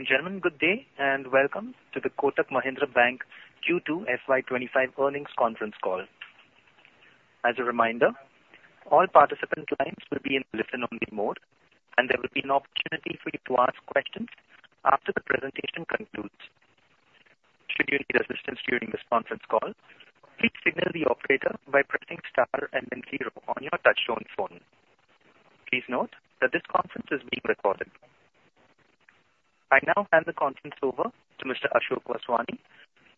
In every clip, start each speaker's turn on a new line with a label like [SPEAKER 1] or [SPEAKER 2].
[SPEAKER 1] Ladies and gentlemen, good day, and welcome to the Kotak Mahindra Bank Q2 FY '25 earnings conference call. As a reminder, all participant lines will be in listen only mode, and there will be an opportunity for you to ask questions after the presentation concludes. Should you need assistance during this conference call, please signal the operator by pressing star and then zero on your touchtone phone. Please note that this conference is being recorded. I now hand the conference over to Mr. Ashok Vaswani,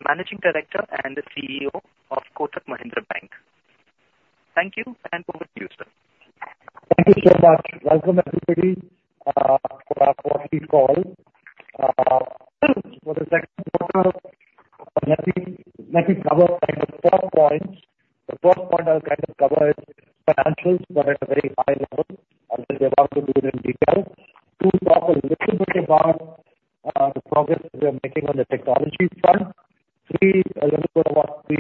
[SPEAKER 1] Managing Director and CEO of Kotak Mahindra Bank. Thank you, and over to you, sir.
[SPEAKER 2] Thank you so much. Welcome, everybody, for our quarterly call for the second quarter. Let me, let me cover kind of four points. The first point I'll kind of cover is financials, but at a very high level, and then we're about to do it in detail. Two, talk a little bit about the progress we are making on the technology front. Three, a little bit about the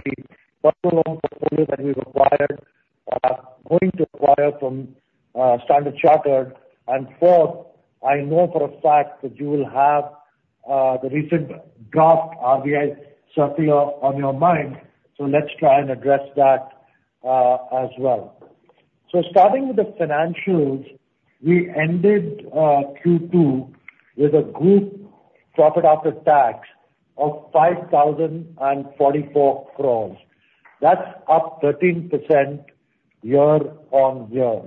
[SPEAKER 2] personal loan portfolio that we've acquired, going to acquire from Standard Chartered. And fourth, I know for a fact that you will have the recent draft RBI circular on your mind, so let's try and address that as well. So starting with the financials, we ended Q2 with a group profit after tax of 5,044 crores. That's up 13% year on year.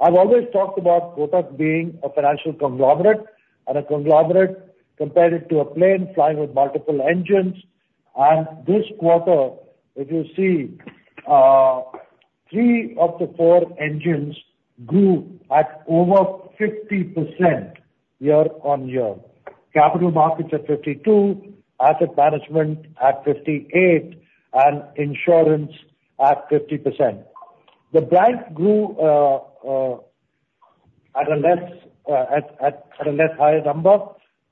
[SPEAKER 2] I've always talked about Kotak being a financial conglomerate, and a conglomerate compared to a plane flying with multiple engines. And this quarter, if you see, three of the four engines grew at over 50% year on year. Capital markets at 52%, asset management at 58%, and insurance at 50%. The bank grew at a less higher number,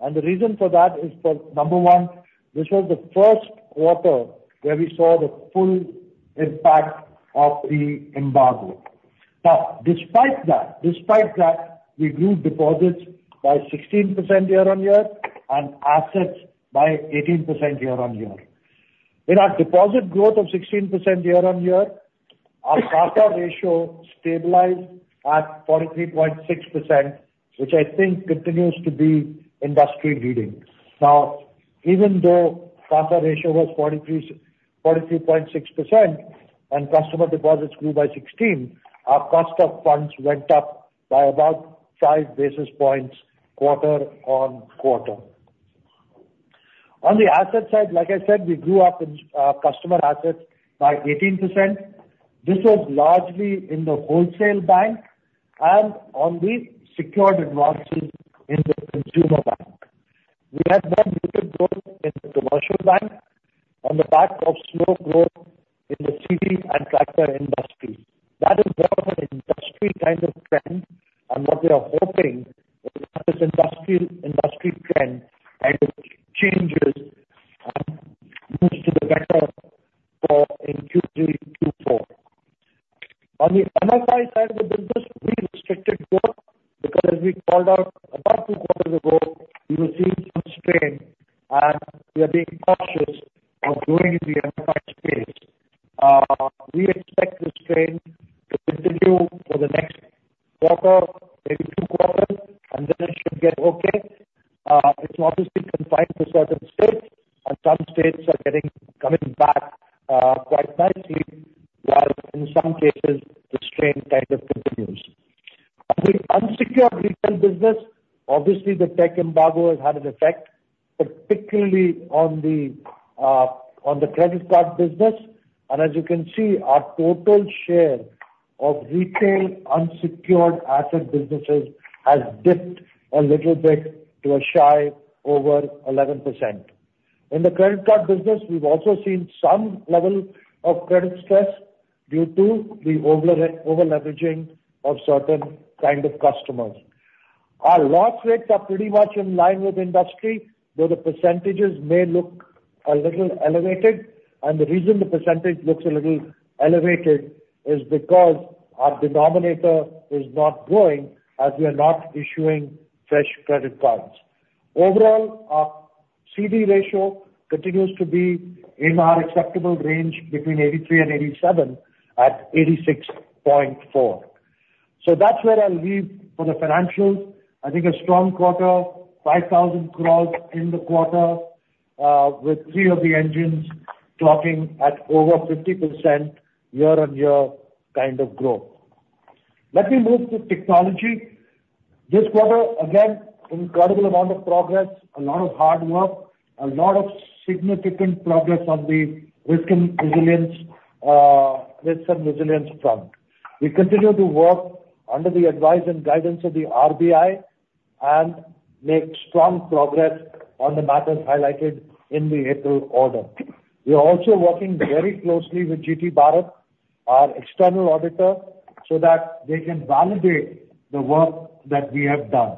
[SPEAKER 2] and the reason for that is that, number one, this was the first quarter where we saw the full impact of the embargo. Now, despite that, we grew deposits by 16% year on year and assets by 18% year on year. In our deposit growth of 16% year on year, our CASA ratio stabilized at 43.6%, which I think continues to be industry leading. Now, even though CASA ratio was 43.6% and customer deposits grew by 16, our cost of funds went up by about five basis points quarter on quarter. On the asset side, like I said, we grew up in customer assets by 18%. This was largely in the wholesale bank and on the secured advances in the consumer bank. We had one little growth in the commercial bank on the back of slow growth in the CV and tractor industry. That is more of an industry kind of trend, and what we are hoping is that this industry trend and changes moves to the better in Q3, Q4. On the MFI side of the business, we restricted growth because as we called out about two quarters ago, we were seeing some strain, and we are being cautious of growing in the MFI space. We expect the strain to continue for the next quarter, maybe two quarters, and then it should get okay. It's obviously confined to certain states, and some states are getting back, coming back quite nicely, while in some cases the strain kind of continues. On the unsecured retail business, obviously the tech embargo has had an effect, particularly on the credit card business, and as you can see, our total share of retail unsecured asset businesses has dipped a little bit to a shade over 11%. In the credit card business, we've also seen some level of credit stress due to the over-leveraging of certain kind of customers. Our loss rates are pretty much in line with industry, though the percentages may look a little elevated. The reason the percentage looks a little elevated is because our denominator is not growing as we are not issuing fresh credit cards. Overall, our CD ratio continues to be in our acceptable range between 83 and 87 at 86.4. That's where I'll leave for the financials. I think a strong quarter, 5,000 crore in the quarter, with three of the engines clocking at over 50% year on year kind of growth. Let me move to technology. This quarter, again, incredible amount of progress, a lot of hard work, a lot of significant progress on the risk and resilience, risk and resilience front. We continue to work under the advice and guidance of the RBI and make strong progress on the matters highlighted in the April order. We are also working very closely with GT Bharat, our external auditor, so that they can validate the work that we have done.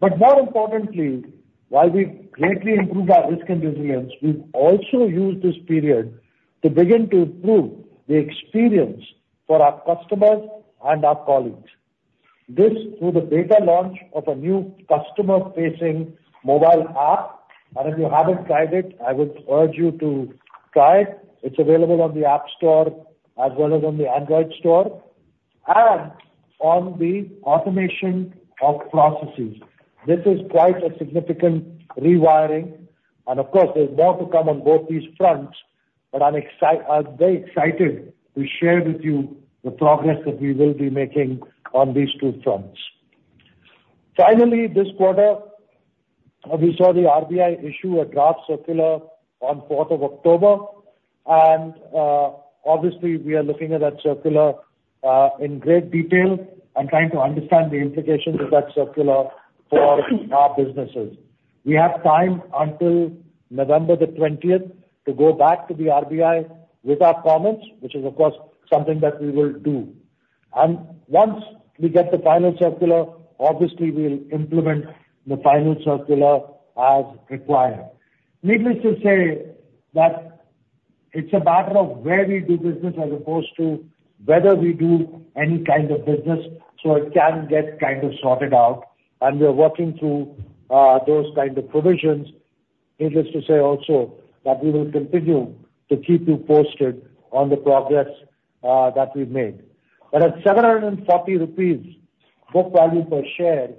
[SPEAKER 2] But more importantly, while we've greatly improved our risk and resilience, we've also used this period to begin to improve the experience for our customers and our colleagues. This, through the beta launch of a new customer-facing mobile app, and if you haven't tried it, I would urge you to try it. It's available on the App Store as well as on the Android Store, and on the automation of processes. This is quite a significant rewiring, and of course, there's more to come on both these fronts, but I'm very excited to share with you the progress that we will be making on these two fronts. Finally, this quarter, we saw the RBI issue a draft circular on fourth of October, and, obviously, we are looking at that circular, in great detail and trying to understand the implications of that circular for our businesses. We have time until November the twentieth to go back to the RBI with our comments, which is, of course, something that we will do. Once we get the final circular, obviously, we'll implement the final circular as required. Needless to say, that it's a matter of where we do business as opposed to whether we do any kind of business, so it can get kind of sorted out, and we are working through, those kind of provisions. Needless to say also, that we will continue to keep you posted on the progress, that we've made, but at 740 rupees book value per share,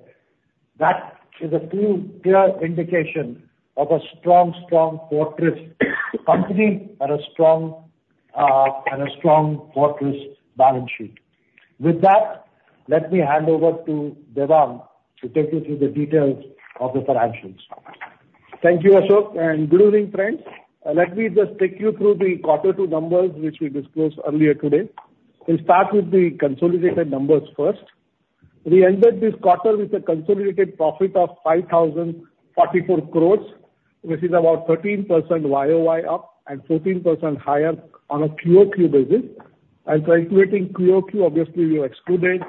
[SPEAKER 2] that is a clear, clear indication of a strong, strong fortress company and a strong, and a strong fortress balance sheet. With that, let me hand over to Devang to take you through the details of the financials.
[SPEAKER 3] Thank you, Ashok, and good evening, friends. Let me just take you through the Quarter Two numbers, which we disclosed earlier today. We'll start with the consolidated numbers first. We ended this quarter with a consolidated profit of 5,044 crores, which is about 13% YOY up and 14% higher on a QOQ basis, and calculating QOQ, obviously, we excluded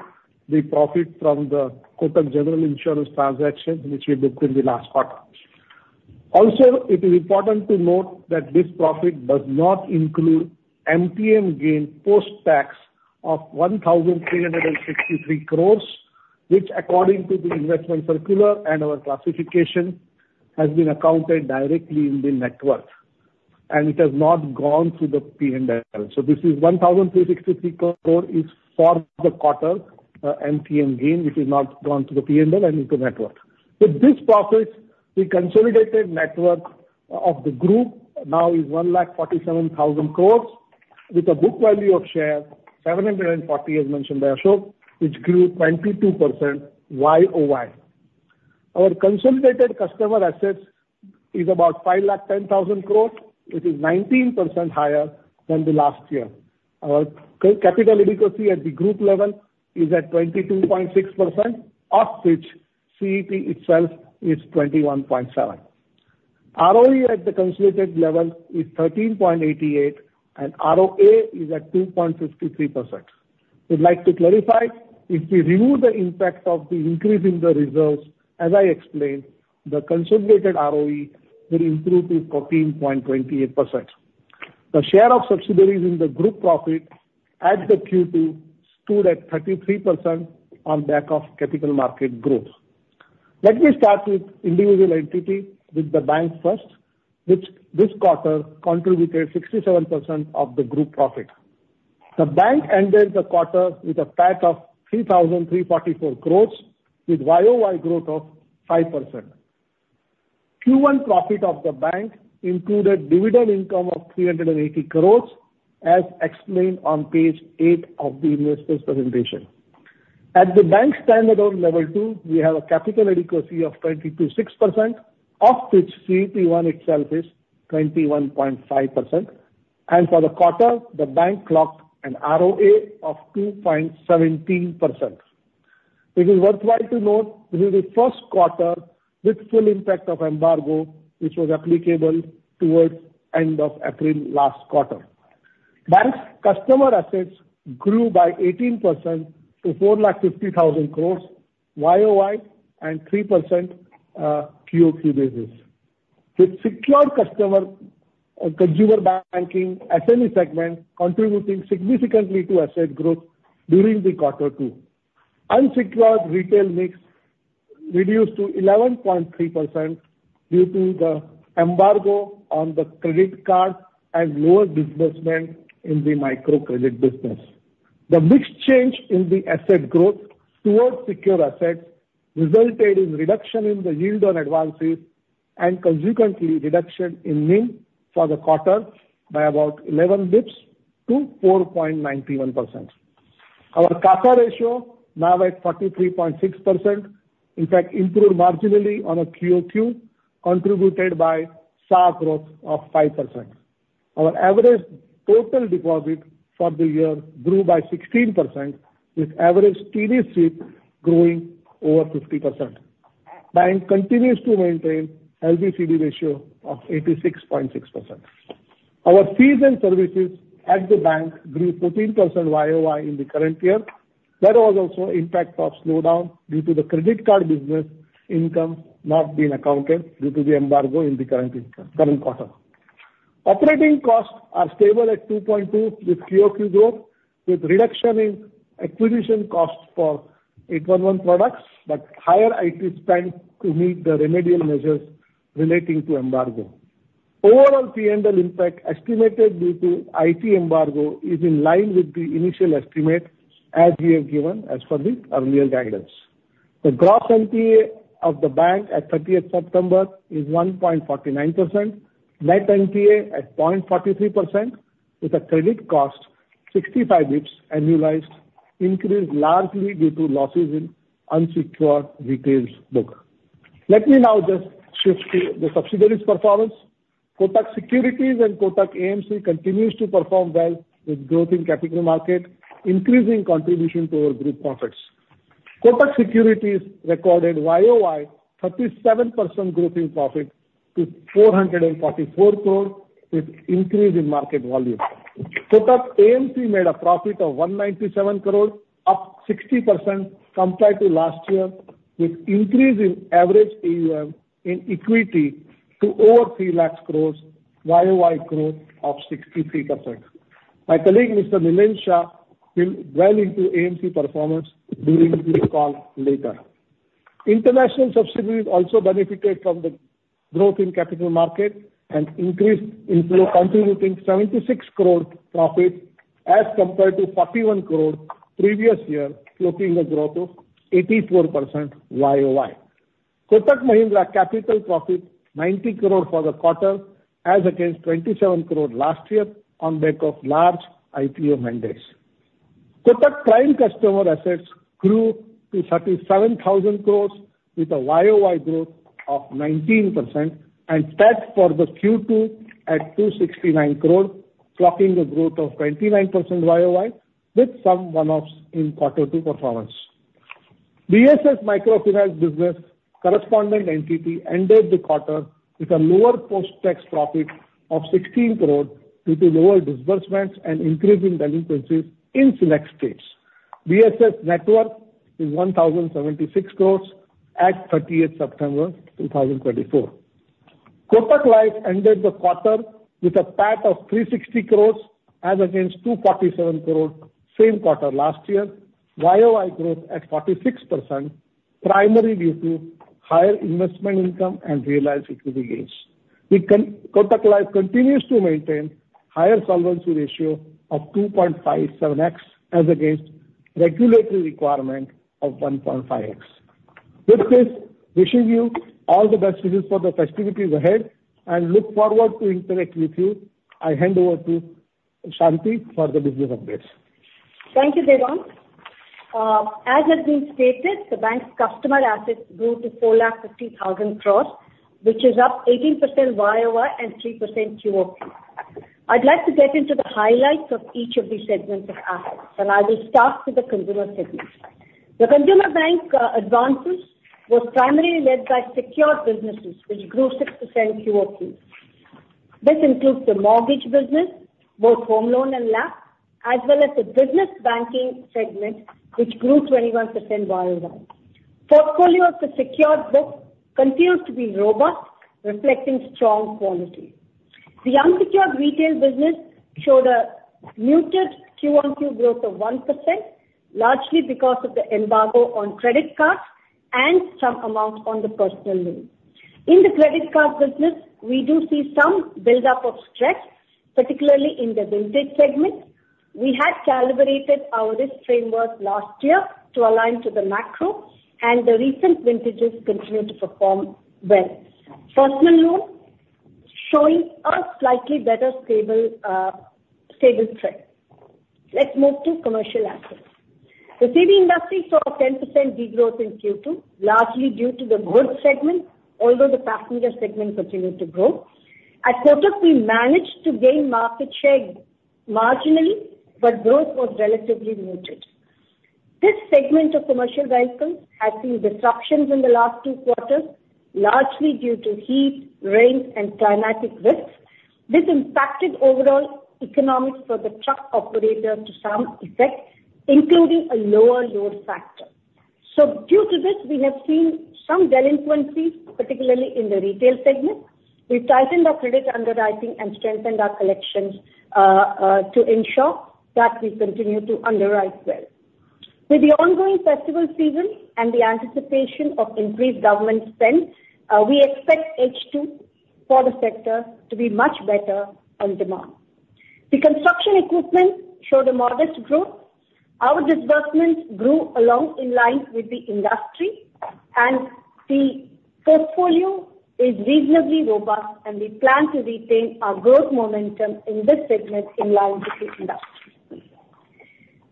[SPEAKER 3] the profit from the Kotak General Insurance transaction, which we booked in the last quarter. Also, it is important to note that this profit does not include MTM gain post-tax of 1,363 crores, which according to the investment circular and our classification, has been accounted directly in the net worth, and it has not gone through the P&L. This is 1,363 crore for the quarter, MTM gain, which has not gone to the P&L and into net worth. With this profit, the consolidated net worth of the group now is 1,47,000 crore, with a book value per share of 740, as mentioned by Ashok, which grew 22% YOY. Our consolidated customer assets is about 5,10,000 crore, which is 19% higher than the last year. Our capital adequacy at the group level is at 22.6%, of which CET1 itself is 21.7%. ROE at the consolidated level is 13.88, and ROA is at 2.53%. We'd like to clarify, if we remove the impact of the increase in the reserves, as I explained, the consolidated ROE will improve to 14.28%. The share of subsidiaries in the group profit at the Q2 stood at 33% on back of capital market growth. Let me start with individual entity, with the bank first, which this quarter contributed 67% of the group profit. The bank ended the quarter with a PAT of 3,344 crores, with YOY growth of 5%. Q1 profit of the bank included dividend income of 380 crores, as explained on page 8 of the investors' presentation. At the bank standard on level 2, we have a capital adequacy of 22.6%, of which CET1 itself is 21.5%. And for the quarter, the bank clocked an ROA of 2.17%. It is worthwhile to note, this is the first quarter with full impact of embargo, which was applicable towards end of April last quarter. Bank's customer assets grew by 18% to 450,000 crore YOY and 3% QOQ basis, with secured customer and consumer banking SME segment contributing significantly to asset growth during the quarter two. Unsecured retail mix reduced to 11.3% due to the embargo on the credit card and lower disbursement in the microcredit business. The mix change in the asset growth towards secure assets resulted in reduction in the yield on advances and consequently, reduction in NIM for the quarter by about 11 basis points to 4.91%. Our CASA ratio, now at 43.6%, in fact, improved marginally on a QOQ, contributed by SA growth of 5%. Our average total deposit for the year grew by 16%, with average TD sweep growing over 50%. Bank continues to maintain LCR ratio of 86.6%. Our fees and services at the bank grew 14% YOY in the current year. That was also impact of slowdown due to the credit card business income not being accounted due to the embargo in the current current quarter. Operating costs are stable at 2.2 with QOQ growth, with reduction in acquisition costs for 811 products, but higher IT spend to meet the remedial measures relating to embargo. Overall P&L impact estimated due to IT embargo is in line with the initial estimate, as we have given as per the earlier guidance. The gross NPA of the bank at thirtieth September is 1.49%, net NPA at 0.43%, with a credit cost 65 basis points annualized, increased largely due to losses in unsecured retail book. Let me now just shift to the subsidiaries' performance. Kotak Securities and Kotak AMC continues to perform well with growth in capital market, increasing contribution to our group profits. Kotak Securities recorded YOY 37% growth in profit to 444 crore, with increase in market volume. Kotak AMC made a profit of 197 crore, up 60% compared to last year, with increase in average AUM in equity to over three lakhs crores, YOY growth of 63%. My colleague, Mr. Nilesh Shah, will delve into AMC performance during the call later. International subsidiaries also benefited from the growth in capital market and increased inflow, contributing 76 crore profit as compared to 41 crore previous year, showing a growth of 84% YOY. Kotak Mahindra Capital profit 90 crore for the quarter, as against 27 crore last year on back of large IPO mandates. Kotak Prime customer assets grew to 37,000 crore, with a YOY growth of 19% and PAT for the Q2 at 269 crore, clocking a growth of 29% YOY, with some one-offs in quarter two performance. BSS microfinance business correspondent entity ended the quarter with a lower post-tax profit of 16 crore, due to lower disbursements and increasing delinquencies in select states. BSS network is 1,076 crore at 30th September 2024. Kotak Life ended the quarter with a PAT of 360 crore, as against 247 crore same quarter last year. YOY growth at 46%, primarily due to higher investment income and realized equity gains. Kotak Life continues to maintain higher solvency ratio of 2.57x, as against regulatory requirement of 1.5x. With this, wishing you all the best wishes for the festivities ahead and look forward to interact with you. I hand over to Shanti for the business updates.
[SPEAKER 4] Thank you, Devang. As has been stated, the bank's customer assets grew to four lakh fifty thousand crores, which is up 18% YOY and 3% QOQ. I'd like to get into the highlights of each of these segments of assets, and I will start with the consumer segment. The consumer bank advances was primarily led by secured businesses, which grew 6% QOQ. This includes the mortgage business, both home loan and LAP, as well as the business banking segment, which grew 21% YOY. Portfolio of the secured book continues to be robust, reflecting strong quality. The unsecured retail business showed a muted QOQ growth of 1%, largely because of the embargo on credit cards and some amounts on the personal loan. In the credit card business, we do see some buildup of stress, particularly in the vintage segment. We had calibrated our risk framework last year to align to the macro, and the recent vintages continue to perform well. Personal loan showing a slightly better stable, stable trend. Let's move to commercial assets. The CV industry saw a 10% degrowth in Q2, largely due to the goods segment, although the passenger segment continued to grow. At Kotak, we managed to gain market share marginally, but growth was relatively muted. This segment of commercial vehicles has seen disruptions in the last two quarters, largely due to heat, rain, and climatic risks. This impacted overall economics for the truck operators to some effect, including a lower load factor. So due to this, we have seen some delinquencies, particularly in the retail segment. We tightened our credit underwriting and strengthened our collections to ensure that we continue to underwrite well. With the ongoing festival season and the anticipation of increased government spend, we expect H2 for the sector to be much better on demand. The construction equipment showed a modest growth. Our disbursements grew along in line with the industry, and the portfolio is reasonably robust, and we plan to retain our growth momentum in this segment in line with the industry.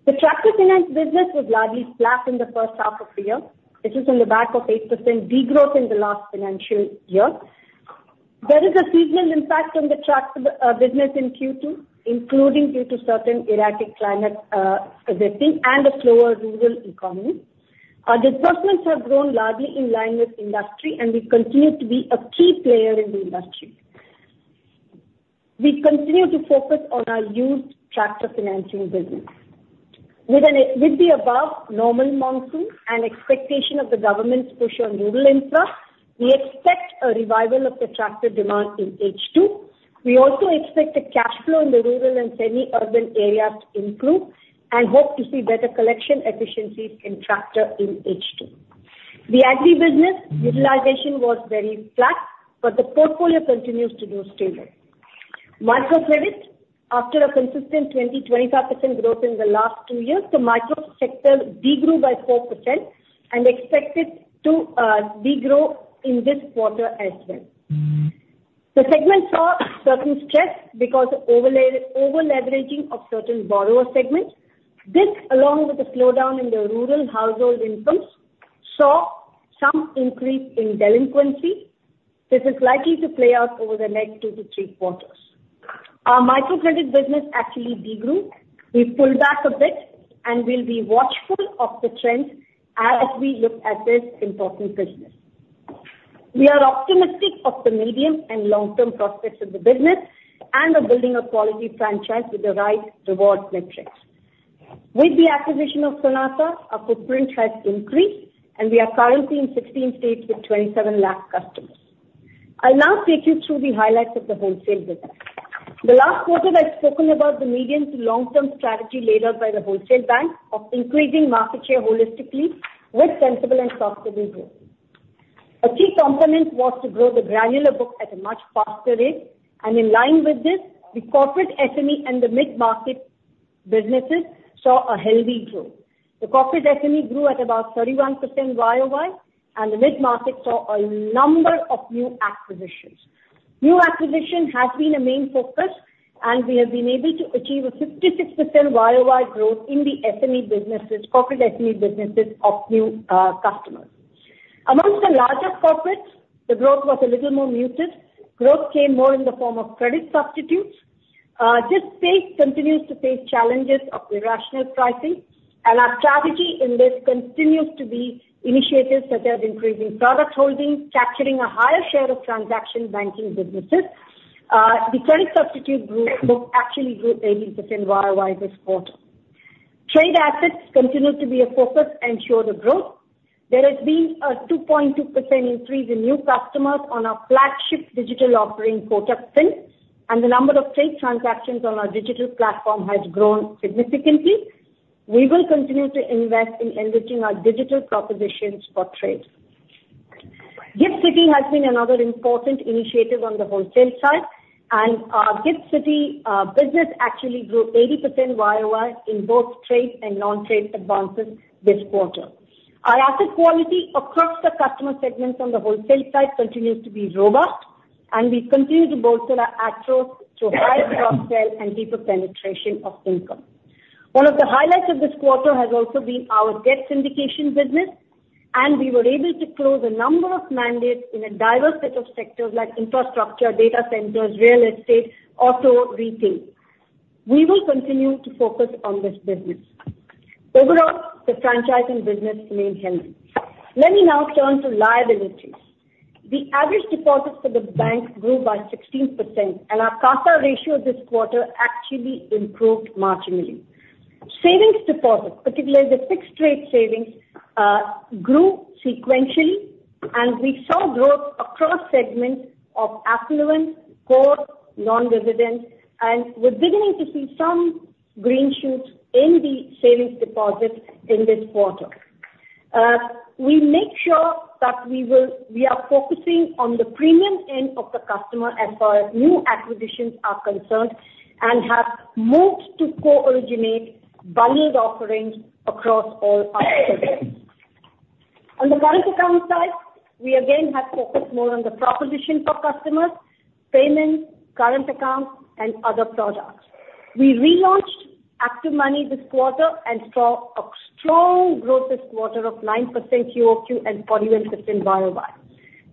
[SPEAKER 4] The tractor finance business was largely flat in the first half of the year. This is on the back of 8% degrowth in the last financial year. There is a seasonal impact on the tractor business in Q2, including due to certain erratic climate events and a slower rural economy. Our disbursements have grown largely in line with industry, and we continue to be a key player in the industry. We continue to focus on our used tractor financing business.... With the above normal monsoon and expectation of the government's push on rural infra, we expect a revival of the tractor demand in H2. We also expect the cash flow in the rural and semi-urban areas to improve, and hope to see better collection efficiencies in tractor in H2. The agri business utilization was very flat, but the portfolio continues to do stable. Microcredit, after a consistent 20-25% growth in the last two years, the micro sector de-grew by 4% and expected to de-grow in this quarter as well.
[SPEAKER 2] Mm-hmm.
[SPEAKER 4] The segment saw certain stress because of over-leveraging of certain borrower segments. This, along with the slowdown in the rural household incomes, saw some increase in delinquency. This is likely to play out over the next two to three quarters. Our microcredit business actually de-grew. We pulled back a bit, and we'll be watchful of the trends as we look at this important business. We are optimistic of the medium and long-term prospects of the business, and are building a quality franchise with the right reward metrics. With the acquisition of Sonata, our footprint has increased, and we are currently in 16 states with 27 lakh customers. I'll now take you through the highlights of the wholesale business. The last quarter, I've spoken about the medium to long-term strategy laid out by the wholesale bank of increasing market share holistically with sensible and profitable growth. A key component was to grow the granular book at a much faster rate, and in line with this, the corporate SME and the mid-market businesses saw a healthy growth. The corporate SME grew at about 31% YOY, and the mid-market saw a number of new acquisitions. New acquisition has been a main focus, and we have been able to achieve a 56% YOY growth in the SME businesses, corporate SME businesses of new, customers. Amongst the larger corporates, the growth was a little more muted. Growth came more in the form of credit substitutes. This space continues to face challenges of irrational pricing, and our strategy in this continues to be initiatives such as increasing product holdings, capturing a higher share of transaction banking businesses. The credit substitute group book actually grew 80% YOY this quarter. Trade assets continued to be a focus and showed a growth. There has been a 2.2% increase in new customers on our flagship digital offering, Kotak 811, and the number of trade transactions on our digital platform has grown significantly. We will continue to invest in enriching our digital propositions for trade. GIFT City has been another important initiative on the wholesale side, and our GIFT City business actually grew 80% YOY in both trade and non-trade advances this quarter. Our asset quality across the customer segments on the wholesale side continues to be robust, and we continue to bolster our efforts through higher cross-sell and deeper penetration of income. One of the highlights of this quarter has also been our debt syndication business, and we were able to close a number of mandates in a diverse set of sectors like infrastructure, data centers, real estate, auto, retail. We will continue to focus on this business. Overall, the franchise and business remained healthy. Let me now turn to liabilities. The average deposits for the bank grew by 16%, and our CASA ratio this quarter actually improved marginally. Savings deposits, particularly the fixed rate savings, grew sequentially, and we saw growth across segments of affluent, core, non-residents, and we're beginning to see some green shoots in the savings deposits in this quarter. We are focusing on the premium end of the customer as far as new acquisitions are concerned and have moved to co-originate bundled offerings across all our products. On the current account side, we again have focused more on the proposition for customers, payments, current accounts, and other products. We relaunched ActivMoney this quarter and saw a strong growth this quarter of 9% QOQ and 41% YOY.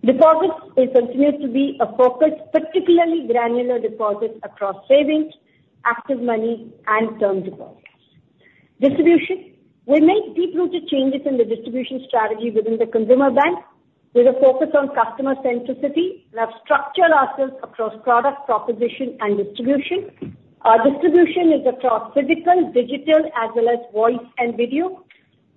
[SPEAKER 4] Deposits, it continues to be a focus, particularly granular deposits across savings, active money, and term deposits. Distribution. We made deep-rooted changes in the distribution strategy within the consumer bank, with a focus on customer centricity, and have structured ourselves across product proposition and distribution. Our distribution is across physical, digital, as well as voice and video,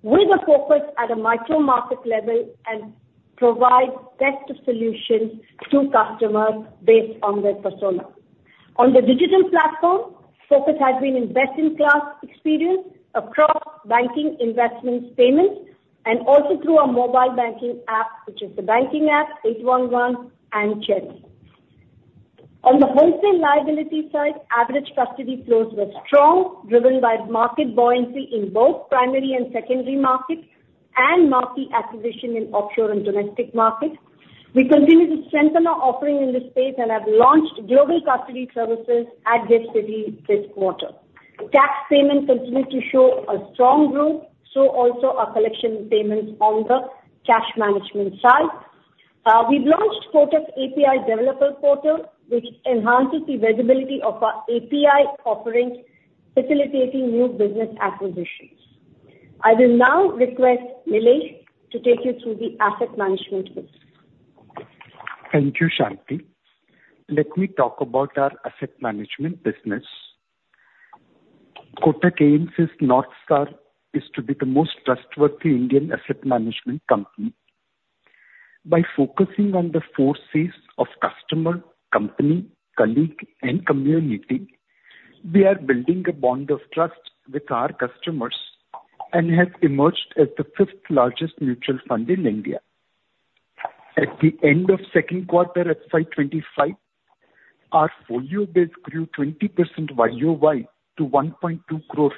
[SPEAKER 4] with a focus at a micro market level and provide best solutions to customers based on their persona. On the digital platform, focus has been in best-in-class experience across banking, investments, payments, and also through our mobile banking app, which is the banking app, Eight one one and Cherry. On the wholesale liability side, average custody flows were strong, driven by market buoyancy in both primary and secondary markets, and market acquisition in offshore and domestic markets. We continue to strengthen our offering in this space and have launched global custody services at GIFT City this quarter. Cash payments continued to show a strong growth, so also our collection payments on the cash management side. We've launched Kotak's API developer portal, which enhances the visibility of our API offerings, facilitating new business acquisitions. I will now request Nilesh to take you through the asset management business....
[SPEAKER 5] Thank you, Shanti. Let me talk about our asset management business. Kotak AMC's North Star is to be the most trustworthy Indian asset management company. By focusing on the four Cs of customer, company, colleague, and community, we are building a bond of trust with our customers and have emerged as the fifth largest mutual fund in India. At the end of second quarter at FY 2025, our folio base grew 20% YOY to 1.2 crore,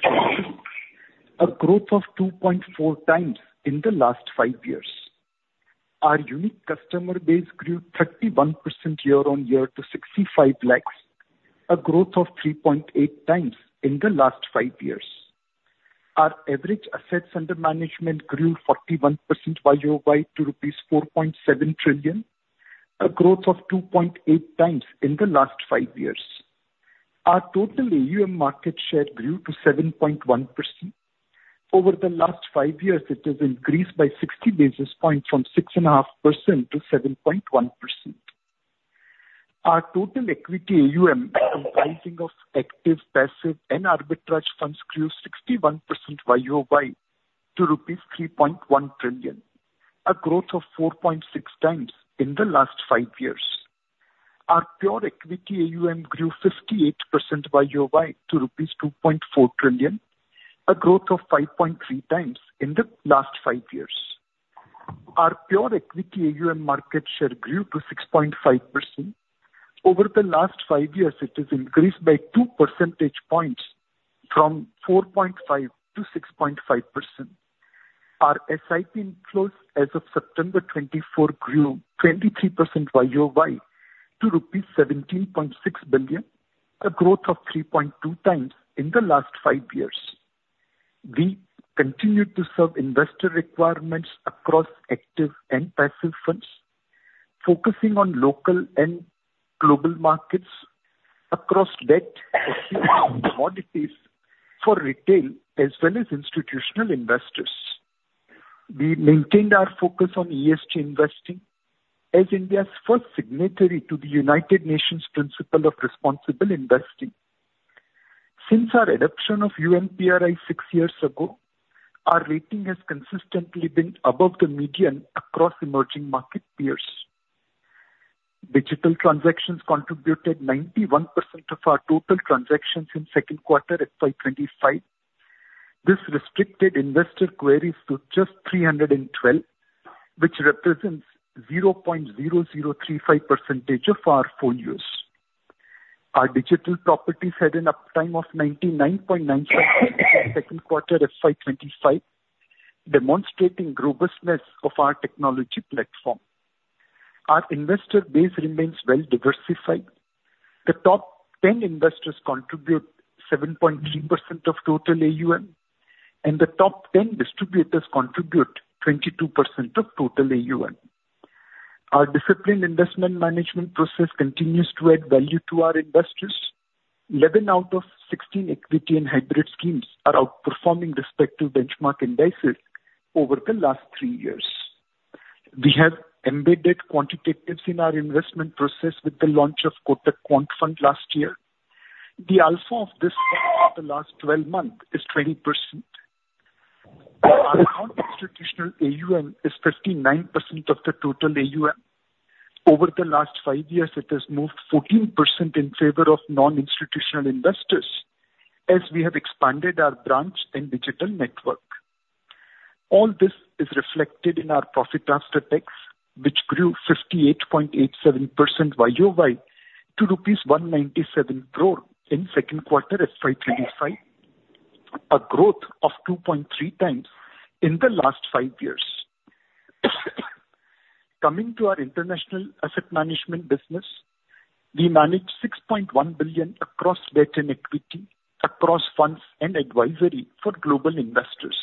[SPEAKER 5] a growth of 2.4 times in the last five years. Our unique customer base grew 31% year-on-year to 65 lakhs, a growth of 3.8 times in the last five years. Our average assets under management grew 41% YOY to rupees 4.7 trillion, a growth of 2.8 times in the last five years. Our total AUM market share grew to 7.1%. Over the last five years, it has increased by 60 basis points from 6.5% to 7.1%. Our total equity AUM, comprising of active, passive, and arbitrage funds, grew 61% YOY to rupees 3.1 trillion, a growth of 4.6 times in the last five years. Our pure equity AUM grew 58% YoY to rupees 2.4 trillion, a growth of 5.3 times in the last five years. Our pure equity AUM market share grew to 6.5%. Over the last five years, it has increased by two percentage points from 4.5 to 6.5%. Our SIP inflows as of September 2024 grew 23% YOY to rupees 17.6 billion, a growth of 3.2 times in the last five years. We continued to serve investor requirements across active and passive funds, focusing on local and global markets across debt, equities, and commodities for retail as well as institutional investors. We maintained our focus on ESG investing as India's first signatory to the United Nations Principle of Responsible Investing. Since our adoption of UNPRI six years ago, our rating has consistently been above the median across emerging market peers. Digital transactions contributed 91% of our total transactions in second quarter FY 2025. This restricted investor queries to just 312, which represents 0.0035% of our folios. Our digital properties had an uptime of 99.95% in second quarter FY 2025, demonstrating robustness of our technology platform. Our investor base remains well diversified. The top 10 investors contribute 7.3% of total AUM, and the top 10 distributors contribute 22% of total AUM. Our disciplined investment management process continues to add value to our investors. 11 out of 16 equity and hybrid schemes are outperforming respective benchmark indices over the last three years. We have embedded quantitatives in our investment process with the launch of Kotak Quant Fund last year. The alpha of this fund for the last 12 months is 20%. Our non-institutional AUM is 59% of the total AUM. Over the last five years, it has moved 14% in favor of non-institutional investors as we have expanded our branch and digital network. All this is reflected in our profit after tax, which grew 58.87% YOY to rupees 197 crore in second quarter FY 2025, a growth of 2.3 times in the last five years. Coming to our international asset management business, we manage $6.1 billion across debt and equity, across funds and advisory for global investors.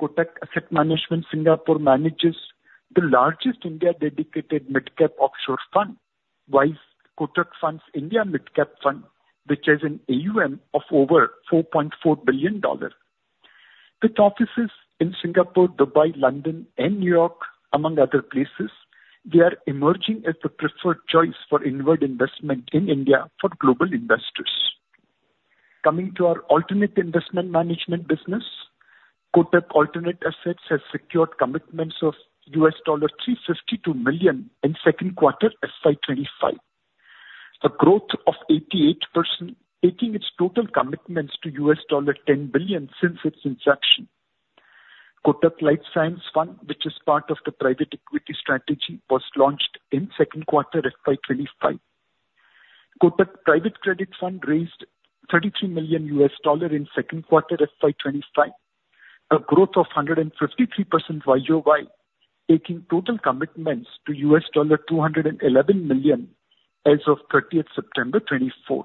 [SPEAKER 5] Kotak Asset Management Singapore manages the largest India-dedicated midcap offshore fund, viz. Kotak Funds - India Midcap Fund, which has an AUM of over $4.4 billion. With offices in Singapore, Dubai, London and New York, among other places, they are emerging as the preferred choice for inward investment in India for global investors. Coming to our alternate investment management business, Kotak Alternate Assets has secured commitments of $352 million in second quarter FY 2025, a growth of 88%, taking its total commitments to $10 billion since its inception. Kotak Life Science Fund, which is part of the private equity strategy, was launched in second quarter FY 2025. Kotak Private Credit Fund raised $33 million in second quarter FY 2025, a growth of 153% YOY, taking total commitments to $211 million as of 30th September 2024.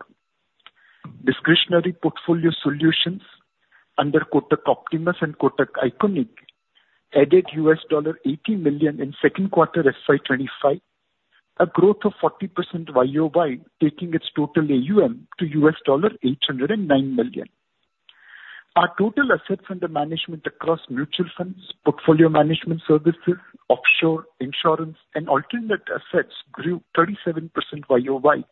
[SPEAKER 5] Discretionary portfolio solutions under Kotak Optimus and Kotak Iconic added $80 million in second quarter FY 2025, a growth of 40% YOY, taking its total AUM to $809 million.
[SPEAKER 2] ...Our total assets under management across mutual funds, portfolio management services, offshore insurance and alternate assets grew 37% YOY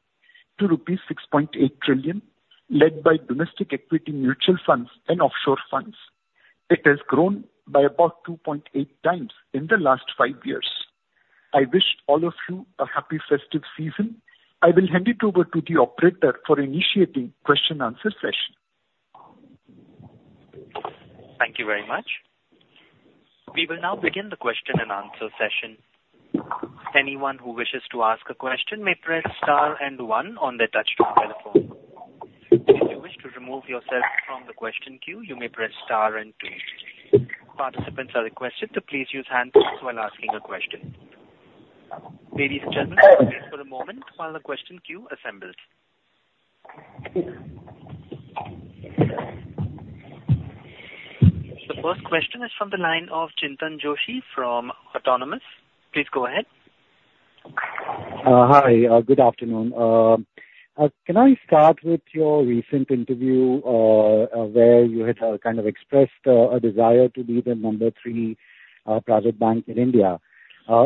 [SPEAKER 2] to rupees 6.8 trillion, led by domestic equity mutual funds and offshore funds. It has grown by about 2.8 times in the last five years. I wish all of you a happy festive season. I will hand it over to the operator for initiating question and answer session.
[SPEAKER 1] Thank you very much. We will now begin the question-and-answer session. Anyone who wishes to ask a question may press star and one on their touchtone telephone. If you wish to remove yourself from the question queue, you may press star and two. Participants are requested to please use handsets while asking a question. Ladies and gentlemen, please wait for a moment while the question queue assembles. The first question is from the line of Chintan Joshi from Autonomous. Please go ahead.
[SPEAKER 6] Hi, good afternoon. Can I start with your recent interview, where you had kind of expressed a desire to be the number three private bank in India?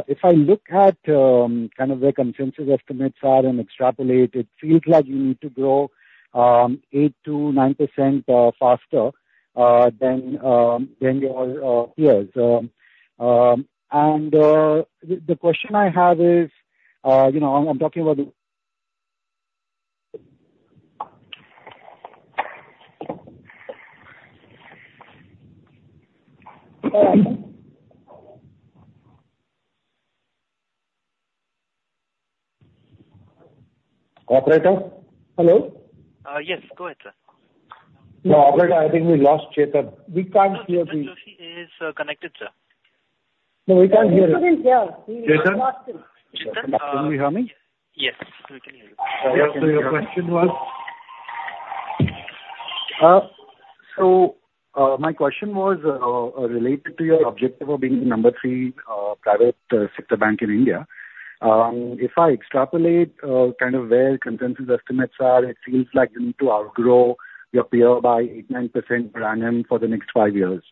[SPEAKER 6] If I look at kind of where consensus estimates are and extrapolate, it feels like you need to grow 8%-9% faster than your peers. And the question I have is, you know, I'm talking about the...
[SPEAKER 2] Operator? Hello?
[SPEAKER 1] Yes, go ahead, sir.
[SPEAKER 2] No, operator, I think we lost Chetan. We can't hear him.
[SPEAKER 1] Chintan Joshi is connected, sir.
[SPEAKER 2] No, we can't hear him.
[SPEAKER 1] Chetan is here.
[SPEAKER 2] Chetan?
[SPEAKER 6] Can you hear me?
[SPEAKER 1] Yes, we can hear you.
[SPEAKER 2] So your question was?
[SPEAKER 6] So, my question was related to your objective of being the number three private sector bank in India. If I extrapolate kind of where consensus estimates are, it seems like you need to outgrow your peer by 8-9% per annum for the next five years.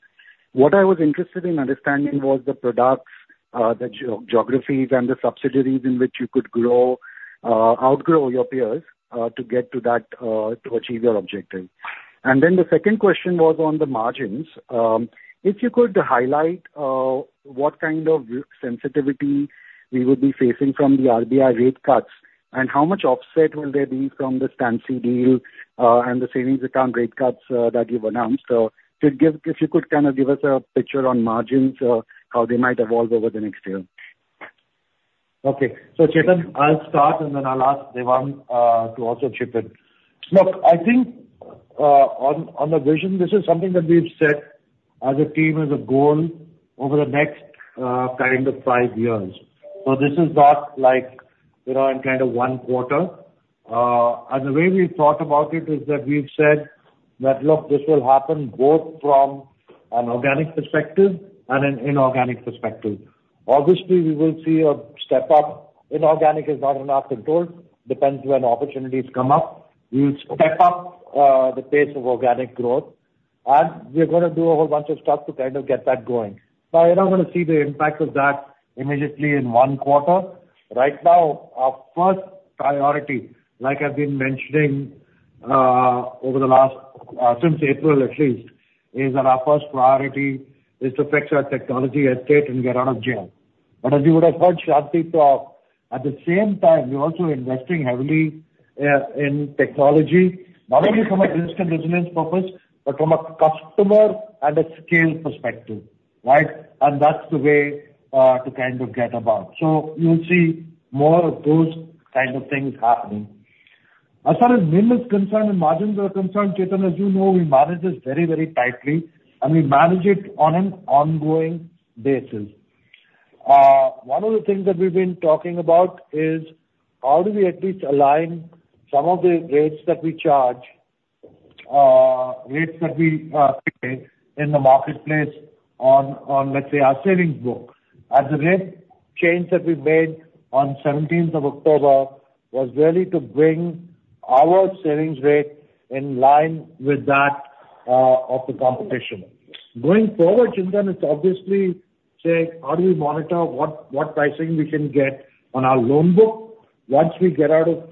[SPEAKER 6] What I was interested in understanding was the products, the geographies and the subsidiaries in which you could grow, outgrow your peers, to get to that, to achieve your objective. And then the second question was on the margins. If you could highlight what kind of sensitivity we would be facing from the RBI rate cuts, and how much offset will there be from the StanChart deal, and the savings account rate cuts that you've announced. So to give... If you could kind of give us a picture on margins, how they might evolve over the next year?
[SPEAKER 2] Okay. So, Chetan, I'll start, and then I'll ask Devang to also chip in. Look, I think, on, on the vision, this is something that we've set as a team, as a goal over the next, kind of five years. So this is not like, you know, in kind of one quarter. And the way we thought about it is that we've said that, look, this will happen both from an organic perspective and an inorganic perspective. Obviously, we will see a step up. Inorganic is not enough controlled, depends when opportunities come up. We'll step up, the pace of organic growth, and we're gonna do a whole bunch of stuff to kind of get that going. But you're not gonna see the impact of that immediately in one quarter. Right now, our first priority, like I've been mentioning, over the last, since April at least, is that our first priority is to fix our technology estate and get out of jail. But as you would have heard Shanti talk, at the same time, we're also investing heavily, in technology, not only from a risk and resilience purpose, but from a customer and a scale perspective, right? And that's the way, to kind of get about. So you'll see more of those kind of things happening. As far as NIM is concerned and margins are concerned, Chetan, as you know, we manage this very, very tightly, and we manage it on an ongoing basis. One of the things that we've been talking about is how do we at least align some of the rates that we charge, rates that we pay in the marketplace on, let's say, our savings book? And the rate change that we made on seventeenth of October was really to bring our savings rate in line with that of the competition. Going forward, Chintan, it's obviously, say, how do we monitor what pricing we can get on our loan book? Once we get out of,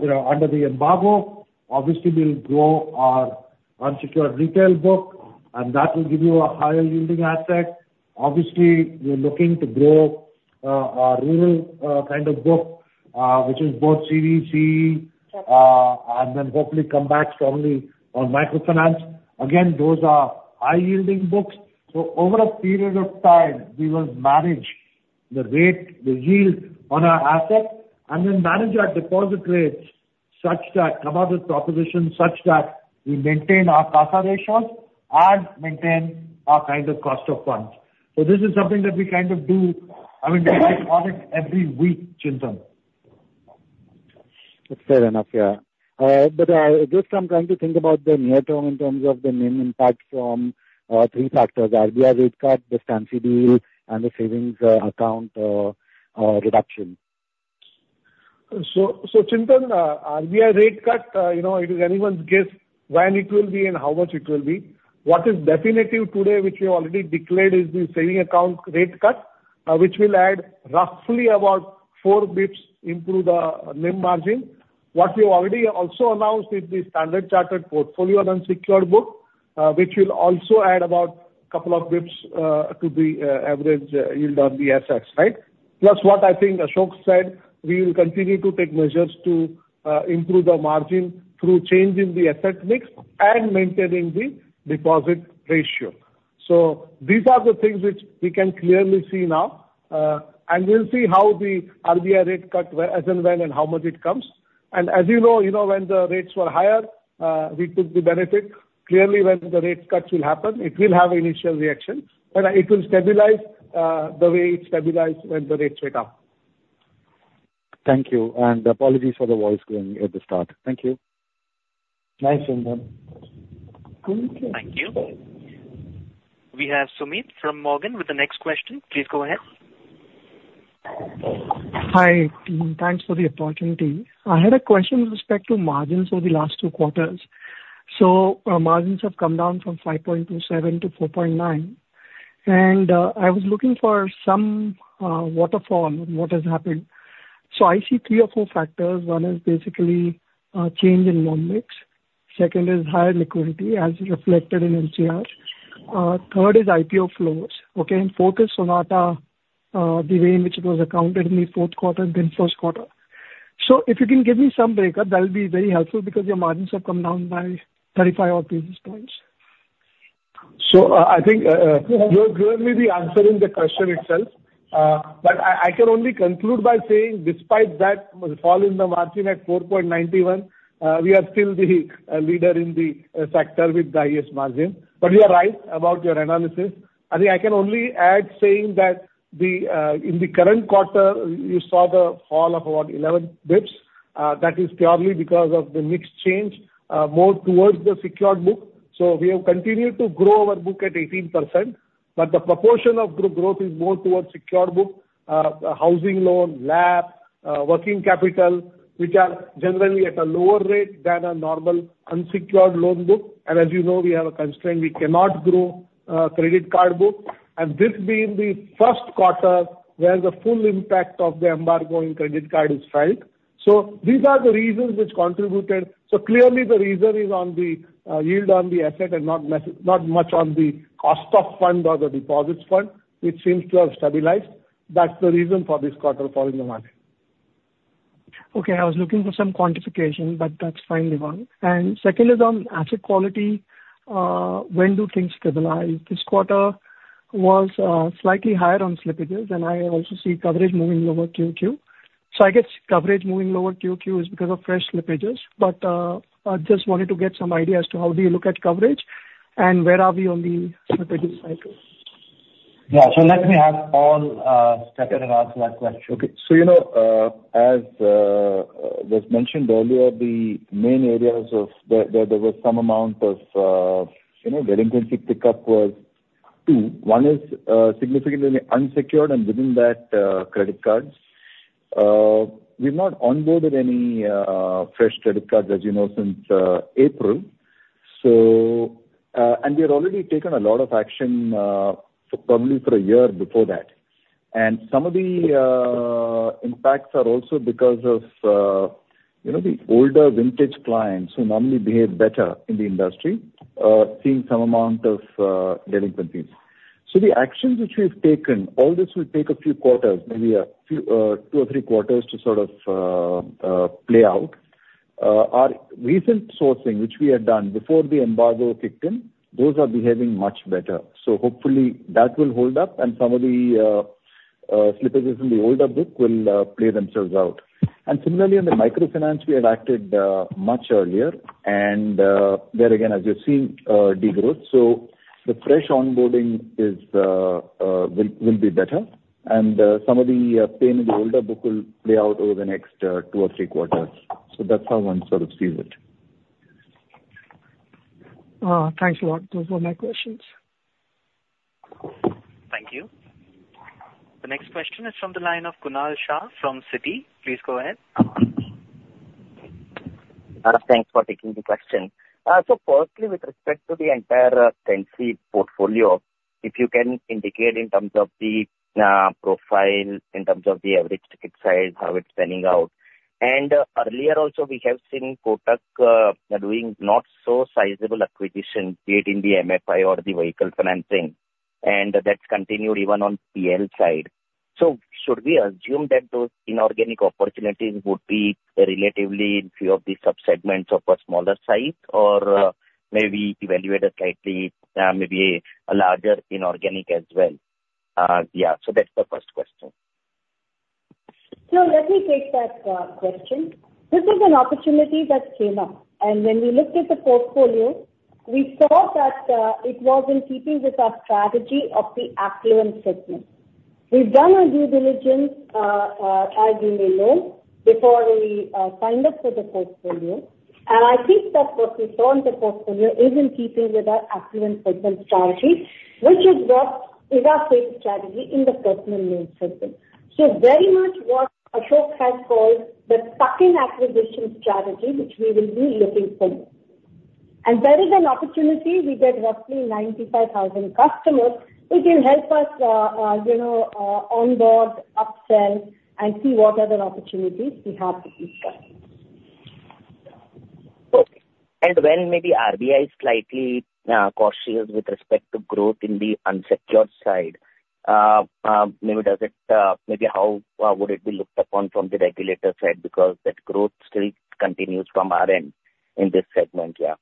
[SPEAKER 2] you know, under the embargo, obviously we'll grow our unsecured retail book, and that will give you a higher-yielding asset. Obviously, we are looking to grow our rural kind of book, which is both CBC, and then hopefully come back strongly on microfinance. Again, those are high-yielding books. So over a period of time, we will manage the rate, the yield on our assets, and then manage our deposit rates such that, about the proposition such that we maintain our CASA ratios and maintain our kind of cost of funds. So this is something that we kind of do, I mean, we audit every week, Chintan.
[SPEAKER 6] That's fair enough, yeah. But, just I'm trying to think about the near term in terms of the main impact from three factors: RBI rate cut, the StanChart deal, and the savings account reduction....
[SPEAKER 3] So, so Chintan, RBI rate cut, you know, it is anyone's guess when it will be and how much it will be. What is definitive today, which we have already declared, is the savings account rate cut, which will add roughly about four basis points improve the NIM margin. What we already also announced is the Standard Chartered portfolio and unsecured book, which will also add about a couple of basis points to the average yield on the assets, right? Plus, what I think Ashok said, we will continue to take measures to improve the margin through change in the asset mix and maintaining the deposit ratio. These are the things which we can clearly see now, and we'll see how the RBI rate cut, as in when and how much it comes. As you know, you know, when the rates were higher, we took the benefit. Clearly, when the rate cuts will happen, it will have initial reaction, but it will stabilize the way it stabilized when the rates went up.
[SPEAKER 6] Thank you, and apologies for the voice going at the start. Thank you.
[SPEAKER 3] Thanks, Chintan.
[SPEAKER 1] Thank you. We have Sumeet from Morgan with the next question. Please go ahead.
[SPEAKER 7] Hi, team. Thanks for the opportunity. I had a question with respect to margins over the last two quarters. So, margins have come down from 5.27% to 4.9%, and I was looking for some waterfall on what has happened. So I see three or four factors. One is basically change in loan mix, second is higher liquidity, as reflected in LCR, third is IPO flows, okay, and fourth is Sonata, the way in which it was accounted in the fourth quarter and then first quarter. So if you can give me some breakup, that will be very helpful because your margins have come down by 35 or 36 points.
[SPEAKER 3] I think you're currently answering the question itself. But I can only conclude by saying despite that fall in the margin at 4.91%, we are still the leader in the sector with the highest margin. You are right about your analysis. I think I can only add, saying that in the current quarter, you saw the fall of about eleven basis points. That is purely because of the mix change, more towards the secured book. We have continued to grow our book at 18%, but the proportion of group growth is more towards secured book, housing loan, LAP, working capital, which are generally at a lower rate than a normal unsecured loan book, and as you know, we have a constraint. We cannot grow credit card book, and this being the first quarter where the full impact of the Embargo in credit card is felt. So these are the reasons which contributed. So clearly the reason is on the yield on the asset and not much on the cost of fund or the deposits fund, which seems to have stabilized. That's the reason for this quarter fall in the margin.
[SPEAKER 7] Okay, I was looking for some quantification, but that's fine, Devang, and second is on asset quality, when do things stabilize? This quarter was slightly higher on slippages, and I also see coverage moving lower QQ, so I guess coverage moving lower QQ is because of fresh slippages, but I just wanted to get some idea as to how do you look at coverage and where are we on the slippage cycle?
[SPEAKER 3] Yeah. So let me have Paul step in and answer that question.
[SPEAKER 8] Okay. So you know, as was mentioned earlier, the main areas of there was some amount of you know delinquency pickup was two. One is significantly unsecured, and within that credit cards. We've not onboarded any fresh credit cards, as you know, since April, so. And we had already taken a lot of action, so probably for a year before that. And some of the impacts are also because of you know the older vintage clients who normally behave better in the industry seeing some amount of delinquencies. The actions which we've taken, all this will take a few quarters, maybe a few two or three quarters to sort of play out. Our recent sourcing, which we had done before the embargo kicked in, those are behaving much better. So hopefully that will hold up, and some of the slippages in the older book will play themselves out. And similarly, in the microfinance, we had acted much earlier, and there again, as you're seeing, degrowth. So the fresh onboarding will be better, and some of the pain in the older book will play out over the next two or three quarters. So that's how one sort of sees it.
[SPEAKER 7] Thanks a lot. Those were my questions.
[SPEAKER 1] Thank you. The next question is from the line of Kunal Shah from Citi. Please go ahead.
[SPEAKER 9] Thanks for taking the question, so firstly, with respect to the entire unsecured portfolio, if you can indicate in terms of the profile, in terms of the average ticket size, how it's panning out, and earlier also, we have seen Kotak doing not so sizable acquisition, be it in the MFI or the vehicle financing, and that's continued even on PL side, so should we assume that those inorganic opportunities would be relatively in few of the sub-segments of a smaller size, or maybe even a slightly larger inorganic as well? Yeah, so that's the first question.
[SPEAKER 4] So let me take that question. This is an opportunity that came up, and when we looked at the portfolio, we saw that it was in keeping with our strategy of the affluent segment. We've done our due diligence, as you may know, before we signed up for the portfolio. And I think that what we saw in the portfolio is in keeping with our affluent segment strategy, which is our trade strategy in the personal loan segment. So very much what Ashok has called the tuck-in acquisition strategy, which we will be looking for. And there is an opportunity, we get roughly ninety-five thousand customers, it will help us, you know, onboard, upsell, and see what other opportunities we have with these customers.
[SPEAKER 9] Okay. And when maybe RBI is slightly cautious with respect to growth in the unsecured side, maybe does it maybe how would it be looked upon from the regulator side? Because that growth still continues from our end in this segment, yeah.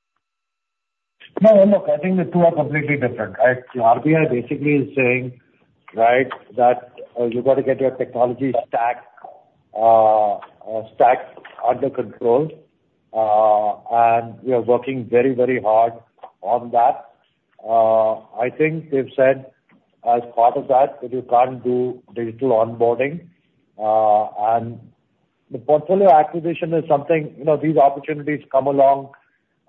[SPEAKER 2] No, look, I think the two are completely different. RBI basically is saying, right, that you've got to get your technology stack under control, and we are working very, very hard on that. I think they've said as part of that, that you can't do digital onboarding, and the portfolio acquisition is something, you know, these opportunities come along,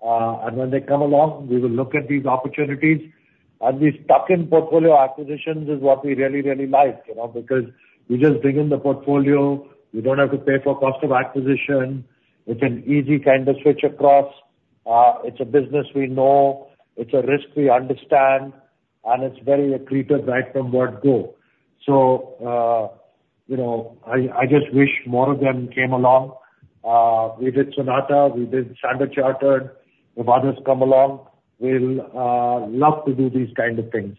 [SPEAKER 2] and when they come along, we will look at these opportunities. These tuck-in portfolio acquisitions is what we really, really like, you know, because you just bring in the portfolio, you don't have to pay for cost of acquisition. It's an easy kind of switch across. It's a business we know, it's a risk we understand, and it's very accretive right from word go. So, you know, I just wish more of them came along. We did Sonata. We did Standard Chartered. If others come along, we'll love to do these kind of things.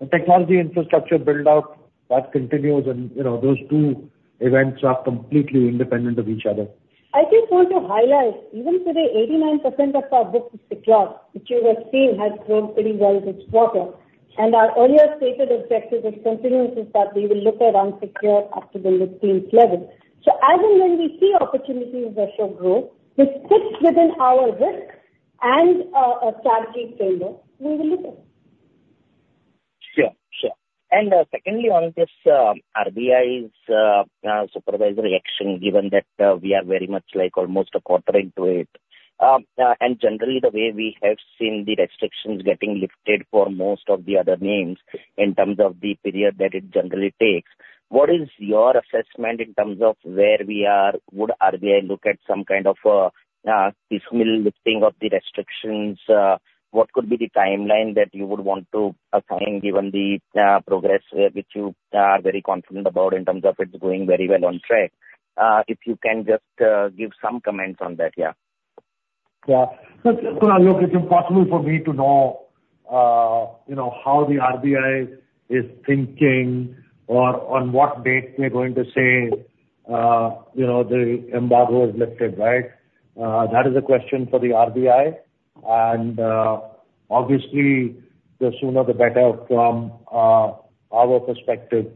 [SPEAKER 2] The technology infrastructure build-out, that continues, and, you know, those two events are completely independent of each other.
[SPEAKER 4] I just want to highlight, even today, 89% of our business is secured, which you were seeing has grown pretty well this quarter, and our earlier stated objective is continuous, is that we will look at unsecured up to the 15 level, so as and when we see opportunities that show growth, which fits within our risk and a strategy framework, we will look at it.
[SPEAKER 9] Sure, sure. And, secondly, on this, RBI's supervisory action, given that we are very much like almost a quarter into it. And generally, the way we have seen the restrictions getting lifted for most of the other names, in terms of the period that it generally takes, what is your assessment in terms of where we are? Would RBI look at some kind of partial lifting of the restrictions? What could be the timeline that you would want to assign, given the progress which you are very confident about in terms of it's going very well on track? If you can just give some comments on that. Yeah.
[SPEAKER 2] Yeah. So, Kunal, look, it's impossible for me to know, you know, how the RBI is thinking or on what date they're going to say, you know, the embargo is lifted, right? That is a question for the RBI, and, obviously, the sooner the better from, our perspective.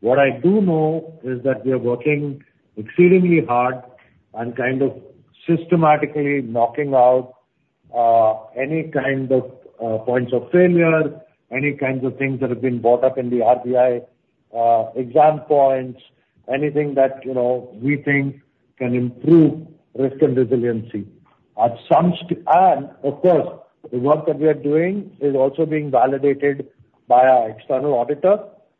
[SPEAKER 2] What I do know is that we are working exceedingly hard on kind of systematically knocking out, any kind of, points of failure, any kinds of things that have been brought up in the RBI, exam points, anything that, you know, we think can improve risk and resiliency. At some stage and of course, the work that we are doing is also being validated by our external auditor.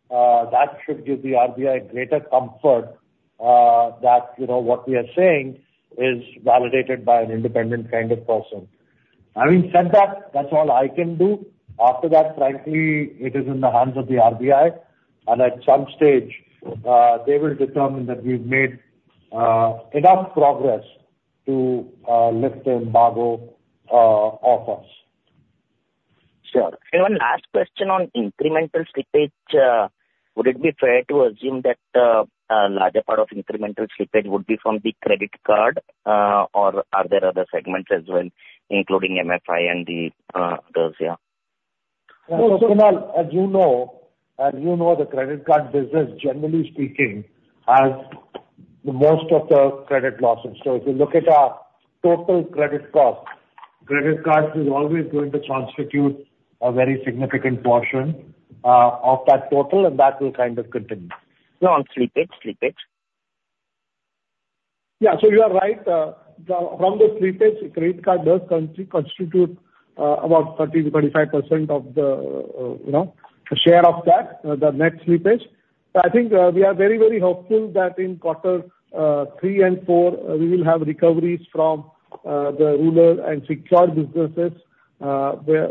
[SPEAKER 2] That should give the RBI greater comfort, that, you know, what we are saying is validated by an independent kind of person. Having said that, that's all I can do. After that, frankly, it is in the hands of the RBI, and at some stage, they will determine that we've made enough progress to lift the embargo off us.
[SPEAKER 9] Sure. And one last question on incremental slippage. Would it be fair to assume that a larger part of incremental slippage would be from the credit card, or are there other segments as well, including MFI and the others, yeah?
[SPEAKER 2] So Kunal, as you know, the credit card business, generally speaking, has the most of the credit losses. So if you look at our total credit cost, credit cards is always going to constitute a very significant portion of that total, and that will kind of continue.
[SPEAKER 9] No, on slippage, slippage.
[SPEAKER 2] Yeah. So you are right. From the slippage, credit card does constitute about 30%-25% of the, you know, share of that, the net slippage. But I think, we are very, very hopeful that in quarter three and four, we will have recoveries from the rural and secured businesses,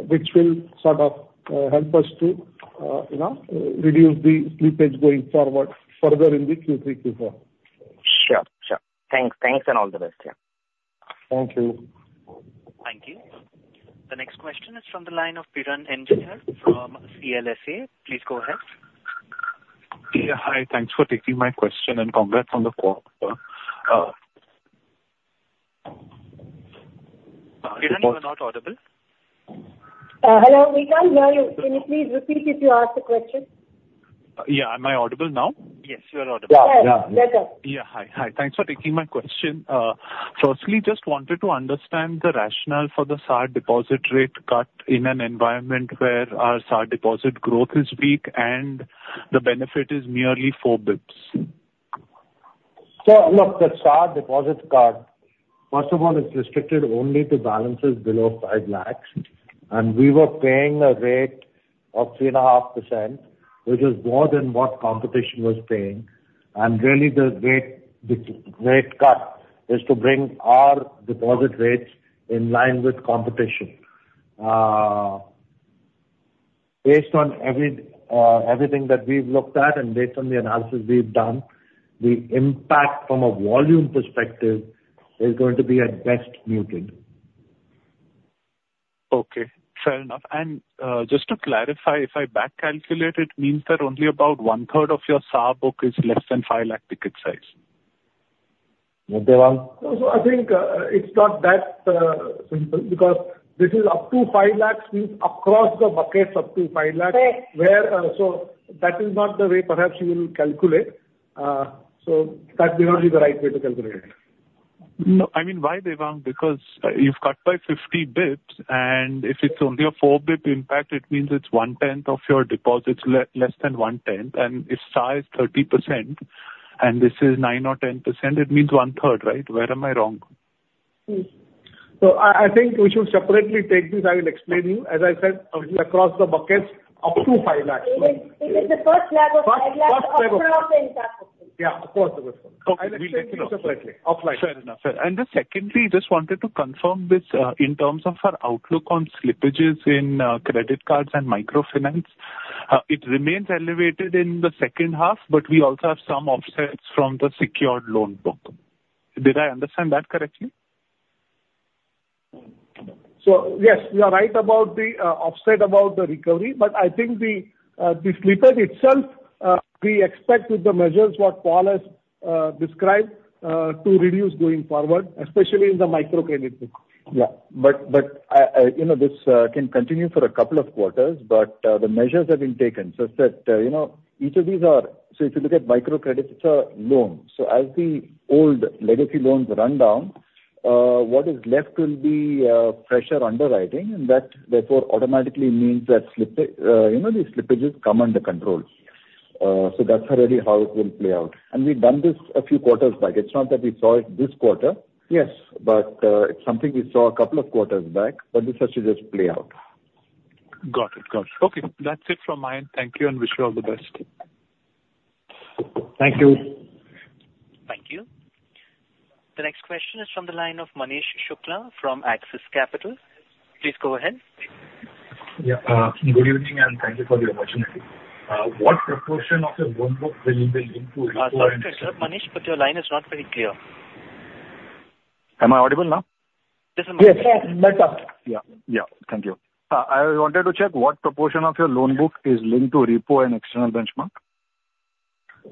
[SPEAKER 2] which will sort of help us to, you know, reduce the slippage going forward, further in the Q3, Q4.
[SPEAKER 9] Sure, sure. Thanks. Thanks, and all the best. Yeah.
[SPEAKER 2] Thank you.
[SPEAKER 1] Thank you. The next question is from the line of Piran Engineer from CLSA. Please go ahead.
[SPEAKER 10] Yeah, hi. Thanks for taking my question, and congrats on the quarter.
[SPEAKER 1] Piran, you are not audible.
[SPEAKER 4] Hello, we can't hear you. Can you please repeat if you asked a question?
[SPEAKER 10] Yeah. Am I audible now?
[SPEAKER 1] Yes, you are audible.
[SPEAKER 4] Yes. Yeah, go.
[SPEAKER 10] Yeah. Hi, hi, thanks for taking my question. Firstly, just wanted to understand the rationale for the SAR deposit rate cut in an environment where our SAR deposit growth is weak and the benefit is merely four basis points....
[SPEAKER 2] So look, the SAR deposits card, first of all, it's restricted only to balances below five lakhs, and we were paying a rate of 3.5%, which is more than what competition was paying. And really, the rate, the rate cut is to bring our deposit rates in line with competition. Based on every, everything that we've looked at and based on the analysis we've done, the impact from a volume perspective is going to be, at best, muted.
[SPEAKER 10] Okay, fair enough. And, just to clarify, if I back calculate, it means that only about one-third of your SAR book is less than five lakh ticket size?
[SPEAKER 2] Devang?
[SPEAKER 3] No, so I think, it's not that simple, because this is up to five lakhs, means across the buckets, up to five lakhs.
[SPEAKER 10] Correct.
[SPEAKER 3] Where, so that is not the way perhaps you will calculate. So that may not be the right way to calculate it.
[SPEAKER 10] No, I mean, why, Devang? Because you've cut by 50 basis points, and if it's only a four basis points impact, it means it's one-tenth of your deposits, less than one-tenth, and if size 30% and this is 9% or 10%, it means one-third, right? Where am I wrong?
[SPEAKER 3] So I think we should separately take this. I will explain to you. As I said, across the buckets, up to 500,000.
[SPEAKER 4] It is the first lag of 5 lakhs-
[SPEAKER 3] First, first-
[SPEAKER 4] Across the entire book.
[SPEAKER 3] Yeah, across the book.
[SPEAKER 10] Okay, we'll get to know.
[SPEAKER 3] I'll explain to you separately, offline.
[SPEAKER 10] Fair enough, fair. And then secondly, just wanted to confirm this, in terms of our outlook on slippages in, credit cards and microfinance. It remains elevated in the second half, but we also have some offsets from the secured loan book. Did I understand that correctly?
[SPEAKER 3] So yes, you are right about the offset about the recovery, but I think the slippage itself we expect with the measures what Paul has described to reduce going forward, especially in the microcredit book.
[SPEAKER 2] Yeah, but, you know, this can continue for a couple of quarters, but the measures have been taken such that, you know, each of these are... So if you look at microcredit, it's a loan. So as the old legacy loans run down, what is left will be fresher underwriting, and that therefore automatically means that slippage, you know, the slippages come under control. So that's really how it will play out. And we've done this a few quarters back. It's not that we saw it this quarter.
[SPEAKER 10] Yes.
[SPEAKER 2] But, it's something we saw a couple of quarters back, but this has to just play out.
[SPEAKER 10] Got it. Got it. Okay, that's it from my end. Thank you and wish you all the best.
[SPEAKER 3] Thank you.
[SPEAKER 1] Thank you. The next question is from the line of Manish Shukla from Axis Capital. Please go ahead.
[SPEAKER 11] Yeah, good evening, and thank you for the opportunity. What proportion of your loan book will you be able to-
[SPEAKER 1] Sorry to interrupt, Manish, but your line is not very clear.
[SPEAKER 11] Am I audible now?
[SPEAKER 1] Yes, sir.
[SPEAKER 3] Yes, better.
[SPEAKER 11] Yeah, yeah. Thank you. I wanted to check what proportion of your loan book is linked to repo and external benchmark?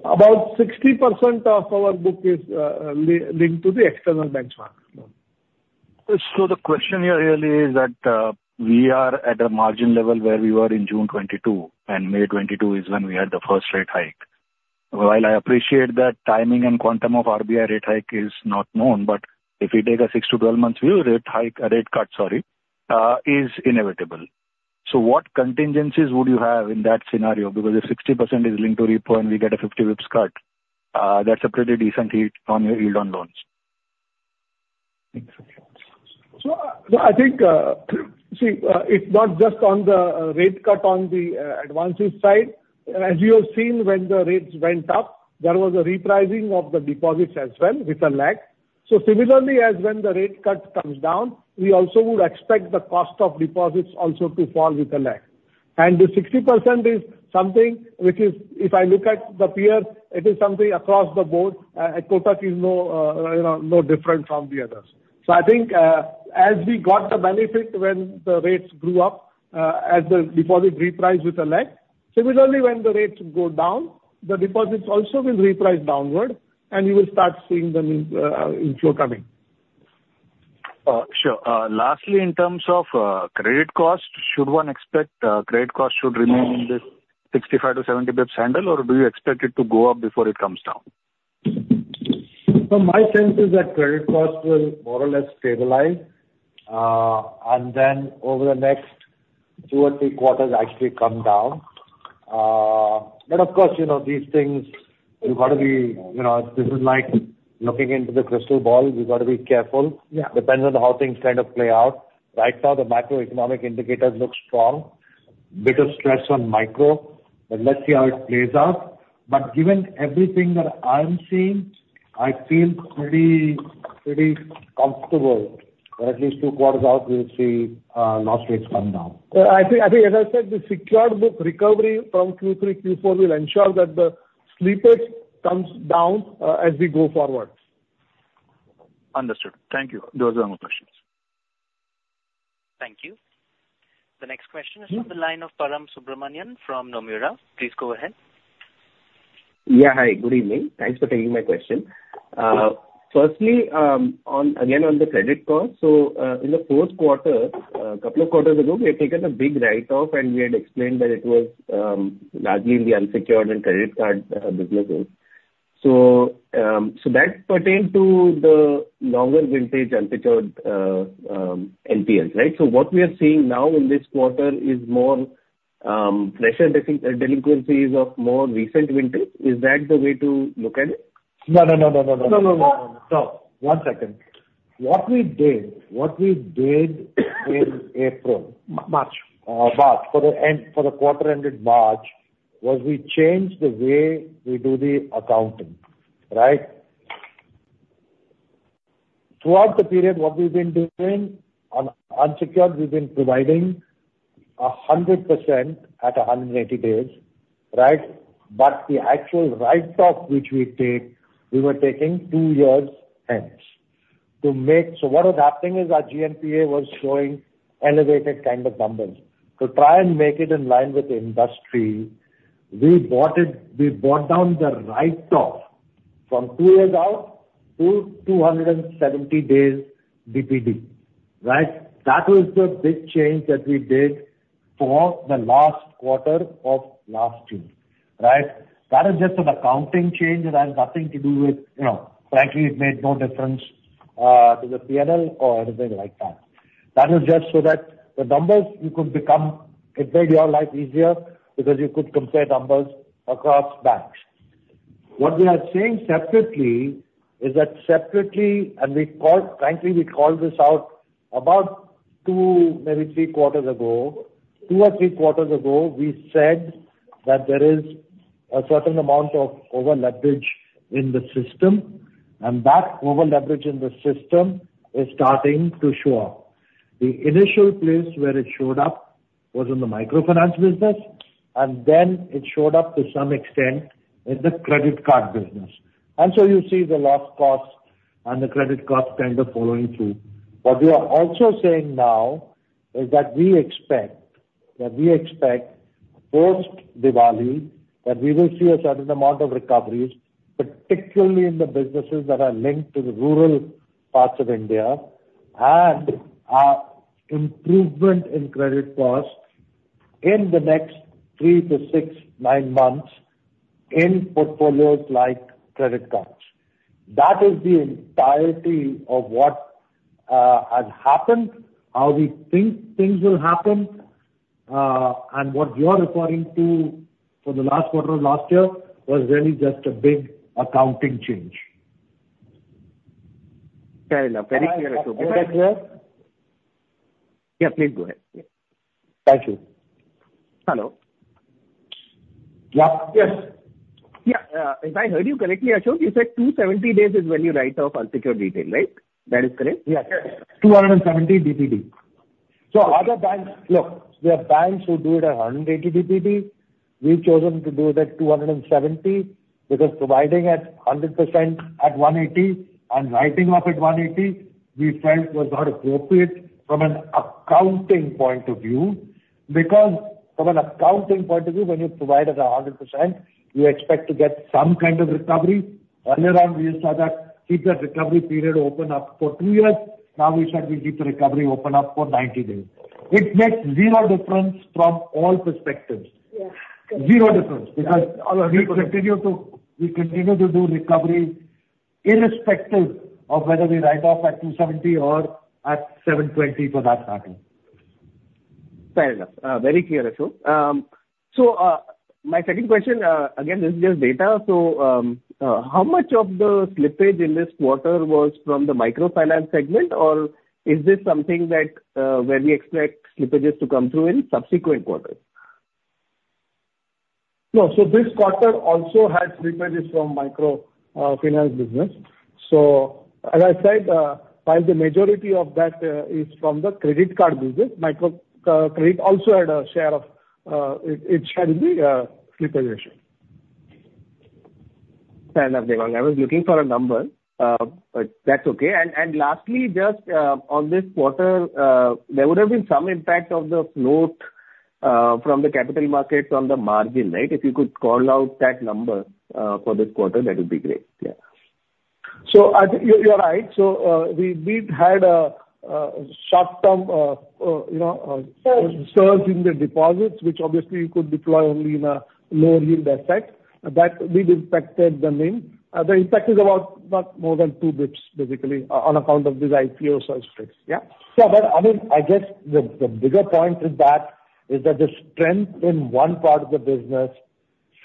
[SPEAKER 3] About 60% of our book is linked to the external benchmark.
[SPEAKER 11] So the question here really is that, we are at a margin level where we were in June 2022, and May 2022 is when we had the first rate hike. While I appreciate that timing and quantum of RBI rate hike is not known, but if we take a six to twelve-month view, rate hike, rate cut, sorry, is inevitable. So what contingencies would you have in that scenario? Because if 60% is linked to repo and we get a fifty basis points cut, that's a pretty decent hit on your yield on loans.
[SPEAKER 3] So, I think, see, it's not just on the rate cut on the advances side. As you have seen, when the rates went up, there was a repricing of the deposits as well, with a lag. So similarly, as when the rate cut comes down, we also would expect the cost of deposits also to fall with a lag. And the 60% is something which is, if I look at the peers, it is something across the board. Kotak is no, you know, no different from the others. So I think, as we got the benefit when the rates grew up, as the deposit reprice with a lag, similarly, when the rates go down, the deposits also will reprice downward, and you will start seeing the inflow coming.
[SPEAKER 11] Sure. Lastly, in terms of credit cost, should one expect credit cost should remain in this 65-70 basis points handle, or do you expect it to go up before it comes down?
[SPEAKER 2] My sense is that credit cost will more or less stabilize, and then over the next two or three quarters, actually come down. But of course, you know, these things. You've got to be, you know, this is like looking into the crystal ball. We've got to be careful.
[SPEAKER 11] Yeah.
[SPEAKER 2] Depends on how things kind of play out. Right now, the macroeconomic indicators look strong. Bit of stress on micro, but let's see how it plays out. But given everything that I'm seeing, I feel pretty, pretty comfortable that at least two quarters out, we'll see loss rates come down.
[SPEAKER 3] I think, as I said, the secured book recovery from Q3, Q4 will ensure that the slippage comes down, as we go forward.
[SPEAKER 11] Understood. Thank you. Those are my questions.
[SPEAKER 1] Thank you. The next question is-
[SPEAKER 3] Mm-hmm.
[SPEAKER 1] On the line of Param Subramanian from Nomura. Please go ahead.
[SPEAKER 12] Yeah, hi, good evening. Thanks for taking my question. Firstly, on again on the credit cost, so, in the fourth quarter, a couple of quarters ago, we had taken a big write-off, and we had explained that it was largely in the unsecured and credit card businesses. So, so that pertained to the longer vintage unsecured NPLs, right? So what we are seeing now in this quarter is more fresh and delinquencies of more recent vintage. Is that the way to look at it?
[SPEAKER 2] No, no, no, no, no, no. No, no, no. Stop! One second. What we did, what we did in April-
[SPEAKER 12] March.
[SPEAKER 2] March, for the end, for the quarter ended March, was we changed the way we do the accounting, right? Throughout the period, what we've been doing, on, on secured, we've been providing 100% at 180 days, right? But the actual write-off, which we take, we were taking two years hence. To make, so what was happening is our GNPA was showing elevated kind of numbers. To try and make it in line with the industry, we brought it, we brought down the write-off from two years out to 270 days DPD, right? That was the big change that we did for the last quarter of last year, right? That is just an accounting change, it has nothing to do with, you know... frankly, it made no difference to the P&L or anything like that. That is just so that the numbers you could benchmark. It made your life easier because you could compare numbers across banks. What we are saying separately is that, and we called, frankly, this out about two, maybe three quarters ago. Two or three quarters ago, we said that there is a certain amount of over-leverage in the system, and that over-leverage in the system is starting to show up. The initial place where it showed up was in the microfinance business, and then it showed up to some extent in the credit card business. You see the loss costs and the credit costs kind of following through. What we are also saying now is that we expect post-Diwali that we will see a certain amount of recoveries, particularly in the businesses that are linked to the rural parts of India, and improvement in credit costs in the next three to six, nine months in portfolios like credit cards. That is the entirety of what has happened, how we think things will happen, and what you are referring to for the last quarter of last year was really just a big accounting change.
[SPEAKER 12] Fair enough. Very clear, Ashok.
[SPEAKER 2] Can you hear?
[SPEAKER 12] Yeah, please go ahead.
[SPEAKER 2] Thank you.
[SPEAKER 12] Hello.
[SPEAKER 2] Yeah. Yes.
[SPEAKER 12] Yeah, if I heard you correctly, Ashok, you said two seventy days is when you write off unsecured retail, right? That is correct?
[SPEAKER 2] Yes. Two hundred and seventy DPD. So other banks, look, there are banks who do it at hundred and eighty DPD. We've chosen to do it at two hundred and seventy, because providing at 100% at one eighty and writing off at one eighty, we felt was not appropriate from an accounting point of view. Because from an accounting point of view, when you provide at a 100%, you expect to get some kind of recovery. Earlier on, we just had that, keep that recovery period open up for two years, now we said we'll keep the recovery open up for ninety days. It makes zero difference from all perspectives.
[SPEAKER 4] Yeah.
[SPEAKER 2] Zero difference, because we continue to do recovery irrespective of whether we write off at two seventy or at seven twenty for that matter.
[SPEAKER 12] Fair enough. Very clear, Ashok. So, my second question, again, this is just data, so, how much of the slippage in this quarter was from the microfinance segment? Or is this something that, where we expect slippages to come through in subsequent quarters?
[SPEAKER 3] No, so this quarter also has slippages from microfinance business. So as I said, while the majority of that is from the credit card business, micro credit also had a share of it. It had the slippage issue.
[SPEAKER 12] Fair enough, Devang. I was looking for a number, but that's okay. And lastly, just on this quarter, there would have been some impact of the float from the capital markets on the margin, right? If you could call out that number for this quarter, that would be great. Yeah.
[SPEAKER 2] I think you're right. We had a short-term, you know, surge in the deposits, which obviously you could deploy only in a lower yield asset that we'd expected them in. The impact is about more than two basis points, basically, on account of these IPOs as fixed. Yeah? But I mean, I guess the bigger point is that the strength in one part of the business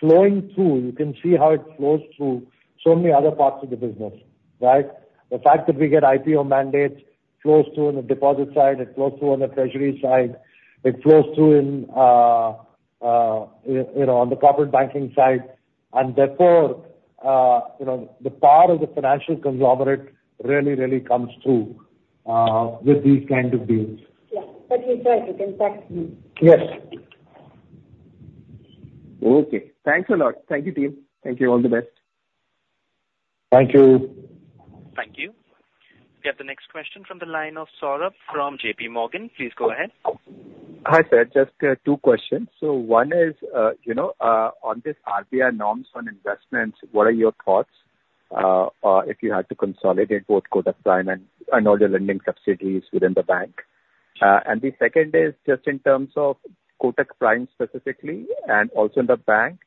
[SPEAKER 2] flowing through. You can see how it flows through so many other parts of the business, right? The fact that we get IPO mandates flows through on the deposit side, it flows through on the treasury side, it flows through in, you know, on the corporate banking side. And therefore, you know, the power of the financial conglomerate really, really comes through, with these kind of deals.
[SPEAKER 4] Yeah, but we've got to impact them.
[SPEAKER 2] Yes.
[SPEAKER 12] Okay. Thanks a lot. Thank you, team. Thank you. All the best.
[SPEAKER 2] Thank you.
[SPEAKER 1] Thank you. We get the next question from the line of Saurabh from JP Morgan. Please go ahead.
[SPEAKER 13] Hi, sir, just two questions. So one is, you know, on this RBI norms on investments, what are your thoughts, if you had to consolidate both Kotak Prime and all the lending subsidiaries within the bank? And the second is just in terms of Kotak Prime specifically, and also in the bank,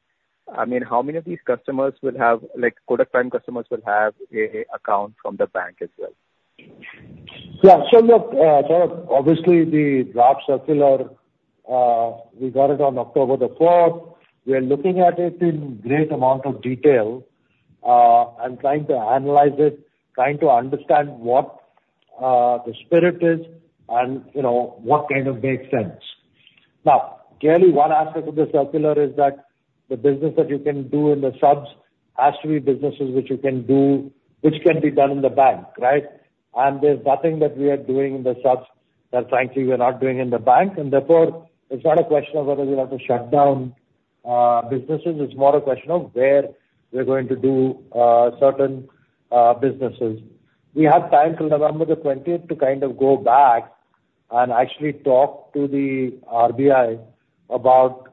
[SPEAKER 13] I mean, how many of these customers will have, like, Kotak Prime customers will have a account from the bank as well?...
[SPEAKER 2] Yeah, so look, so obviously, the draft circular, we got it on October the fourth. We are looking at it in great amount of detail, and trying to analyze it, trying to understand what, the spirit is and, you know, what kind of makes sense. Now, clearly, one aspect of the circular is that the business that you can do in the subs has to be businesses which you can do, which can be done in the bank, right? And there's nothing that we are doing in the subs that frankly we are not doing in the bank, and therefore, it's not a question of whether we have to shut down, businesses, it's more a question of where we're going to do, certain, businesses. We have time till November the twentieth to kind of go back and actually talk to the RBI about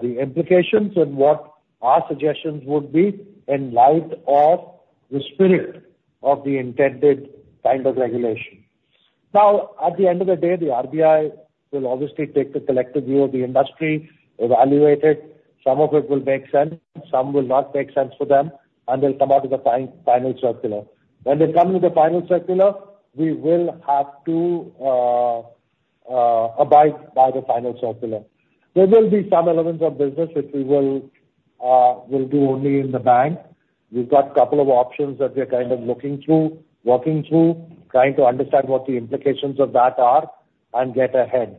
[SPEAKER 2] the implications and what our suggestions would be in light of the spirit of the intended kind of regulation. Now, at the end of the day, the RBI will obviously take the collective view of the industry, evaluate it, some of it will make sense, some will not make sense for them, and they'll come out with a final circular. When they come with a final circular, we will have to abide by the final circular. There will be some elements of business which we will do only in the bank. We've got couple of options that we are kind of looking through, working through, trying to understand what the implications of that are and get ahead.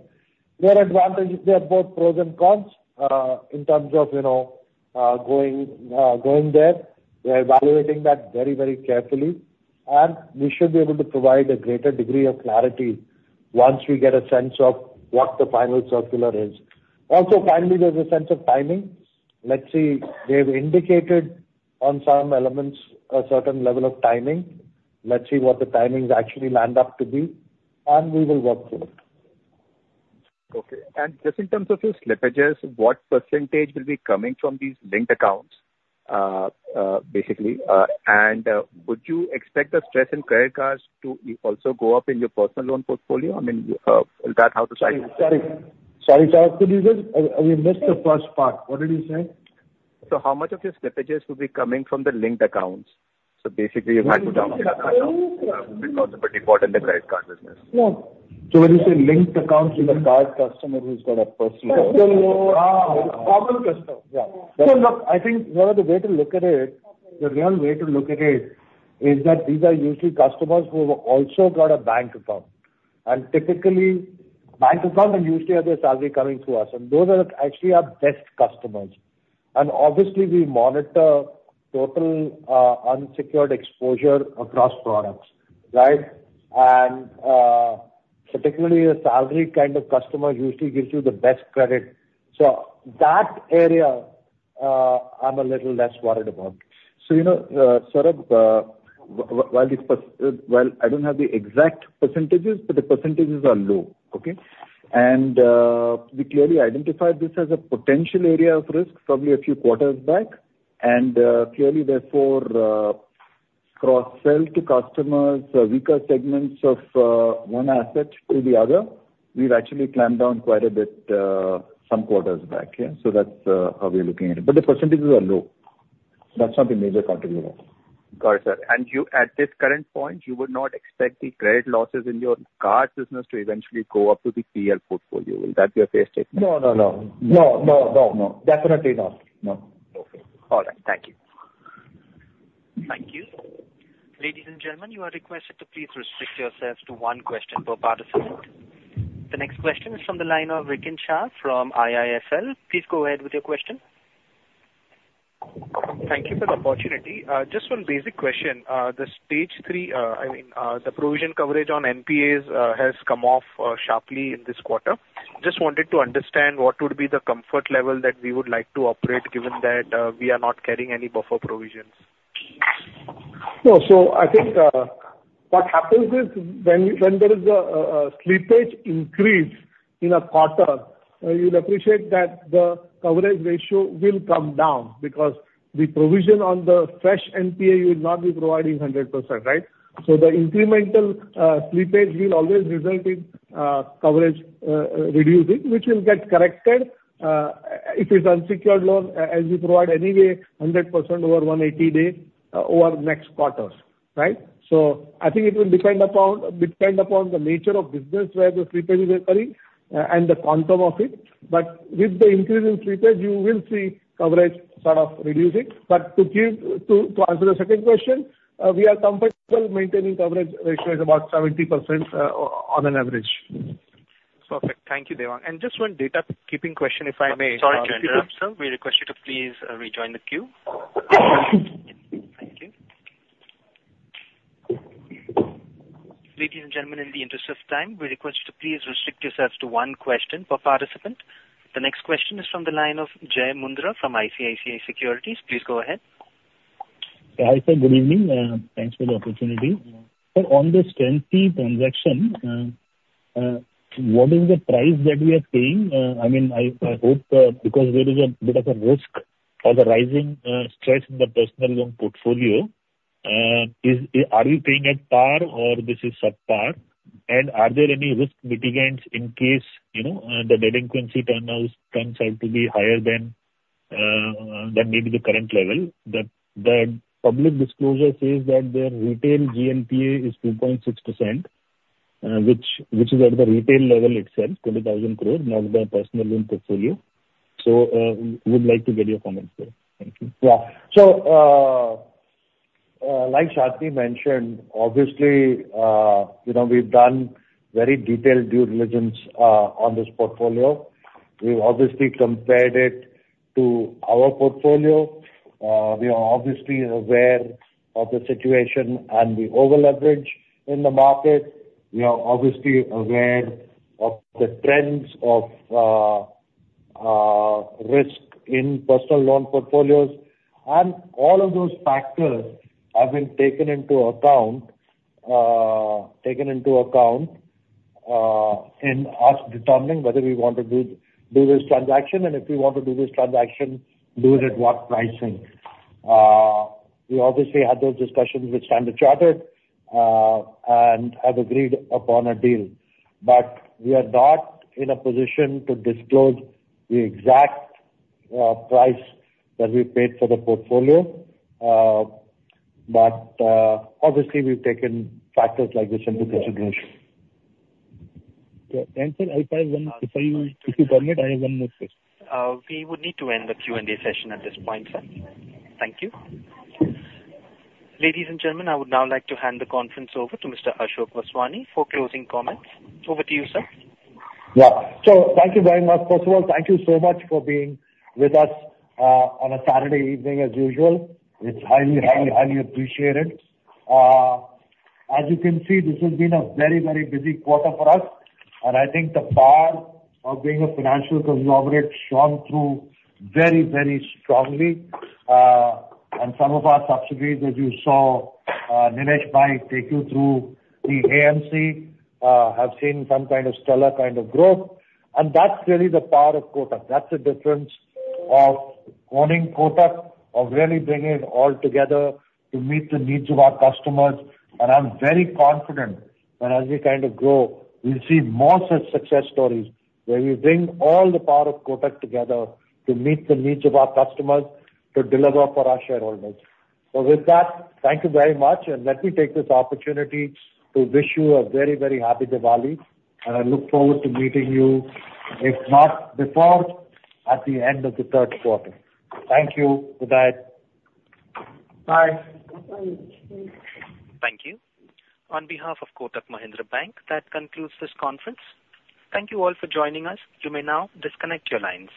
[SPEAKER 2] There are advantages... There are both pros and cons, in terms of, you know, going there. We are evaluating that very, very carefully, and we should be able to provide a greater degree of clarity once we get a sense of what the final circular is. Also, finally, there's a sense of timing. Let's see, they've indicated on some elements, a certain level of timing. Let's see what the timings actually land up to be, and we will work through it.
[SPEAKER 13] Okay. And just in terms of your slippages, what percentage will be coming from these linked accounts, basically, and, would you expect the stress in credit cards to also go up in your personal loan portfolio? I mean, is that how to say?
[SPEAKER 2] Sorry. Sorry, Saurabh, could you just... I missed the first part. What did you say?
[SPEAKER 13] How much of your slippages will be coming from the linked accounts? Basically, you have to delink account because of the default in the credit card business.
[SPEAKER 2] Yeah. So when you say linked accounts with a card customer who's got a personal loan.
[SPEAKER 13] Personal loan.
[SPEAKER 2] Ah, common customer.
[SPEAKER 13] Yeah.
[SPEAKER 2] So look, I think, you know, the way to look at it, the real way to look at it is that these are usually customers who have also got a bank account, and typically and usually have their salary coming through us, and those are actually our best customers. And obviously, we monitor total unsecured exposure across products, right? And particularly a salary kind of customer usually gives you the best credit. So that area, I'm a little less worried about. So, you know, Saurabh, well, I don't have the exact percentages, but the percentages are low, okay? And we clearly identified this as a potential area of risk probably a few quarters back, and clearly, therefore, cross-sell to customers, weaker segments of one asset to the other, we've actually clamped down quite a bit, some quarters back, yeah. So that's how we're looking at it. But the percentages are low. That's not a major contributor.
[SPEAKER 13] Got it, sir. And you, at this current point, you would not expect the credit losses in your card business to eventually go up to the PL portfolio. Will that be a fair statement?
[SPEAKER 2] No, no, no. No, no, no, no. Definitely not, no.
[SPEAKER 13] Okay. All right. Thank you.
[SPEAKER 1] Thank you. Ladies and gentlemen, you are requested to please restrict yourselves to one question per participant. The next question is from the line of Rikin Shah from IIFL. Please go ahead with your question.
[SPEAKER 14] Thank you for the opportunity. Just one basic question. The stage three, I mean, the provision coverage on NPAs, has come off sharply in this quarter. Just wanted to understand what would be the comfort level that we would like to operate, given that we are not carrying any buffer provisions?
[SPEAKER 3] No, so I think what happens is, when there is a slippage increase in a quarter, you'll appreciate that the coverage ratio will come down because the provision on the fresh NPA will not be providing 100%, right? So the incremental slippage will always result in coverage reducing, which will get corrected if it's unsecured loan, as we provide anyway, 100% over 180 days over next quarters, right? So I think it will depend upon the nature of business where the slippage is occurring and the quantum of it. But with the increase in slippage, you will see coverage sort of reducing. But to give to answer the second question, we are comfortable maintaining coverage ratio is about 70% on an average.
[SPEAKER 14] Perfect. Thank you, Devang. And just one housekeeping question, if I may?
[SPEAKER 1] Sorry to interrupt, sir. We request you to please rejoin the queue. Thank you. Ladies and gentlemen, in the interest of time, we request you to please restrict yourselves to one question per participant. The next question is from the line of Jai Mundra from ICICI Securities. Please go ahead.
[SPEAKER 15] Hi, sir. Good evening, thanks for the opportunity. So on the StanC transaction, what is the price that we are paying? I mean, because there is a bit of a risk of the rising stress in the personal loan portfolio, are we paying at par or is this subpar? And are there any risk mitigants in case, you know, the delinquency turns out to be higher than expected? That may be the current level, that the public disclosure says that their retail GNPA is 2.6%, which is at the retail level itself, twenty thousand crores, not their personal loan portfolio. So, we would like to get your comments there. Thank you.
[SPEAKER 2] Yeah. So, like Shanti mentioned, obviously, you know, we've done very detailed due diligence on this portfolio. We've obviously compared it to our portfolio. We are obviously aware of the situation and the over-leverage in the market. We are obviously aware of the trends of risk in personal loan portfolios, and all of those factors have been taken into account in us determining whether we want to do this transaction, and if we want to do this transaction, do it at what pricing. We obviously had those discussions with Standard Chartered and have agreed upon a deal, but we are not in a position to disclose the exact price that we paid for the portfolio. But, obviously, we've taken factors like this into consideration.
[SPEAKER 15] Yeah. Thank you. I have one- if I, if you permit, I have one more question.
[SPEAKER 1] We would need to end the Q&A session at this point, sir. Thank you. Ladies and gentlemen, I would now like to hand the conference over to Mr. Ashok Vaswani for closing comments. Over to you, sir.
[SPEAKER 2] Yeah. So thank you very much. First of all, thank you so much for being with us on a Saturday evening, as usual. It's highly, highly, highly appreciated. As you can see, this has been a very, very busy quarter for us, and I think the power of being a financial conglomerate shone through very, very strongly, and some of our subsidiaries that you saw Nilesh Bhai take you through the AMC have seen some kind of stellar kind of growth, and that's really the power of Kotak. That's the difference of owning Kotak, of really bringing it all together to meet the needs of our customers. And I'm very confident that as we kind of grow, we'll see more such success stories, where we bring all the power of Kotak together to meet the needs of our customers, to deliver for our shareholders. So with that, thank you very much, and let me take this opportunity to wish you a very, very happy Diwali, and I look forward to meeting you, if not before, at the end of the third quarter. Thank you. With that, bye.
[SPEAKER 1] Thank you. On behalf of Kotak Mahindra Bank, that concludes this conference. Thank you all for joining us. You may now disconnect your lines.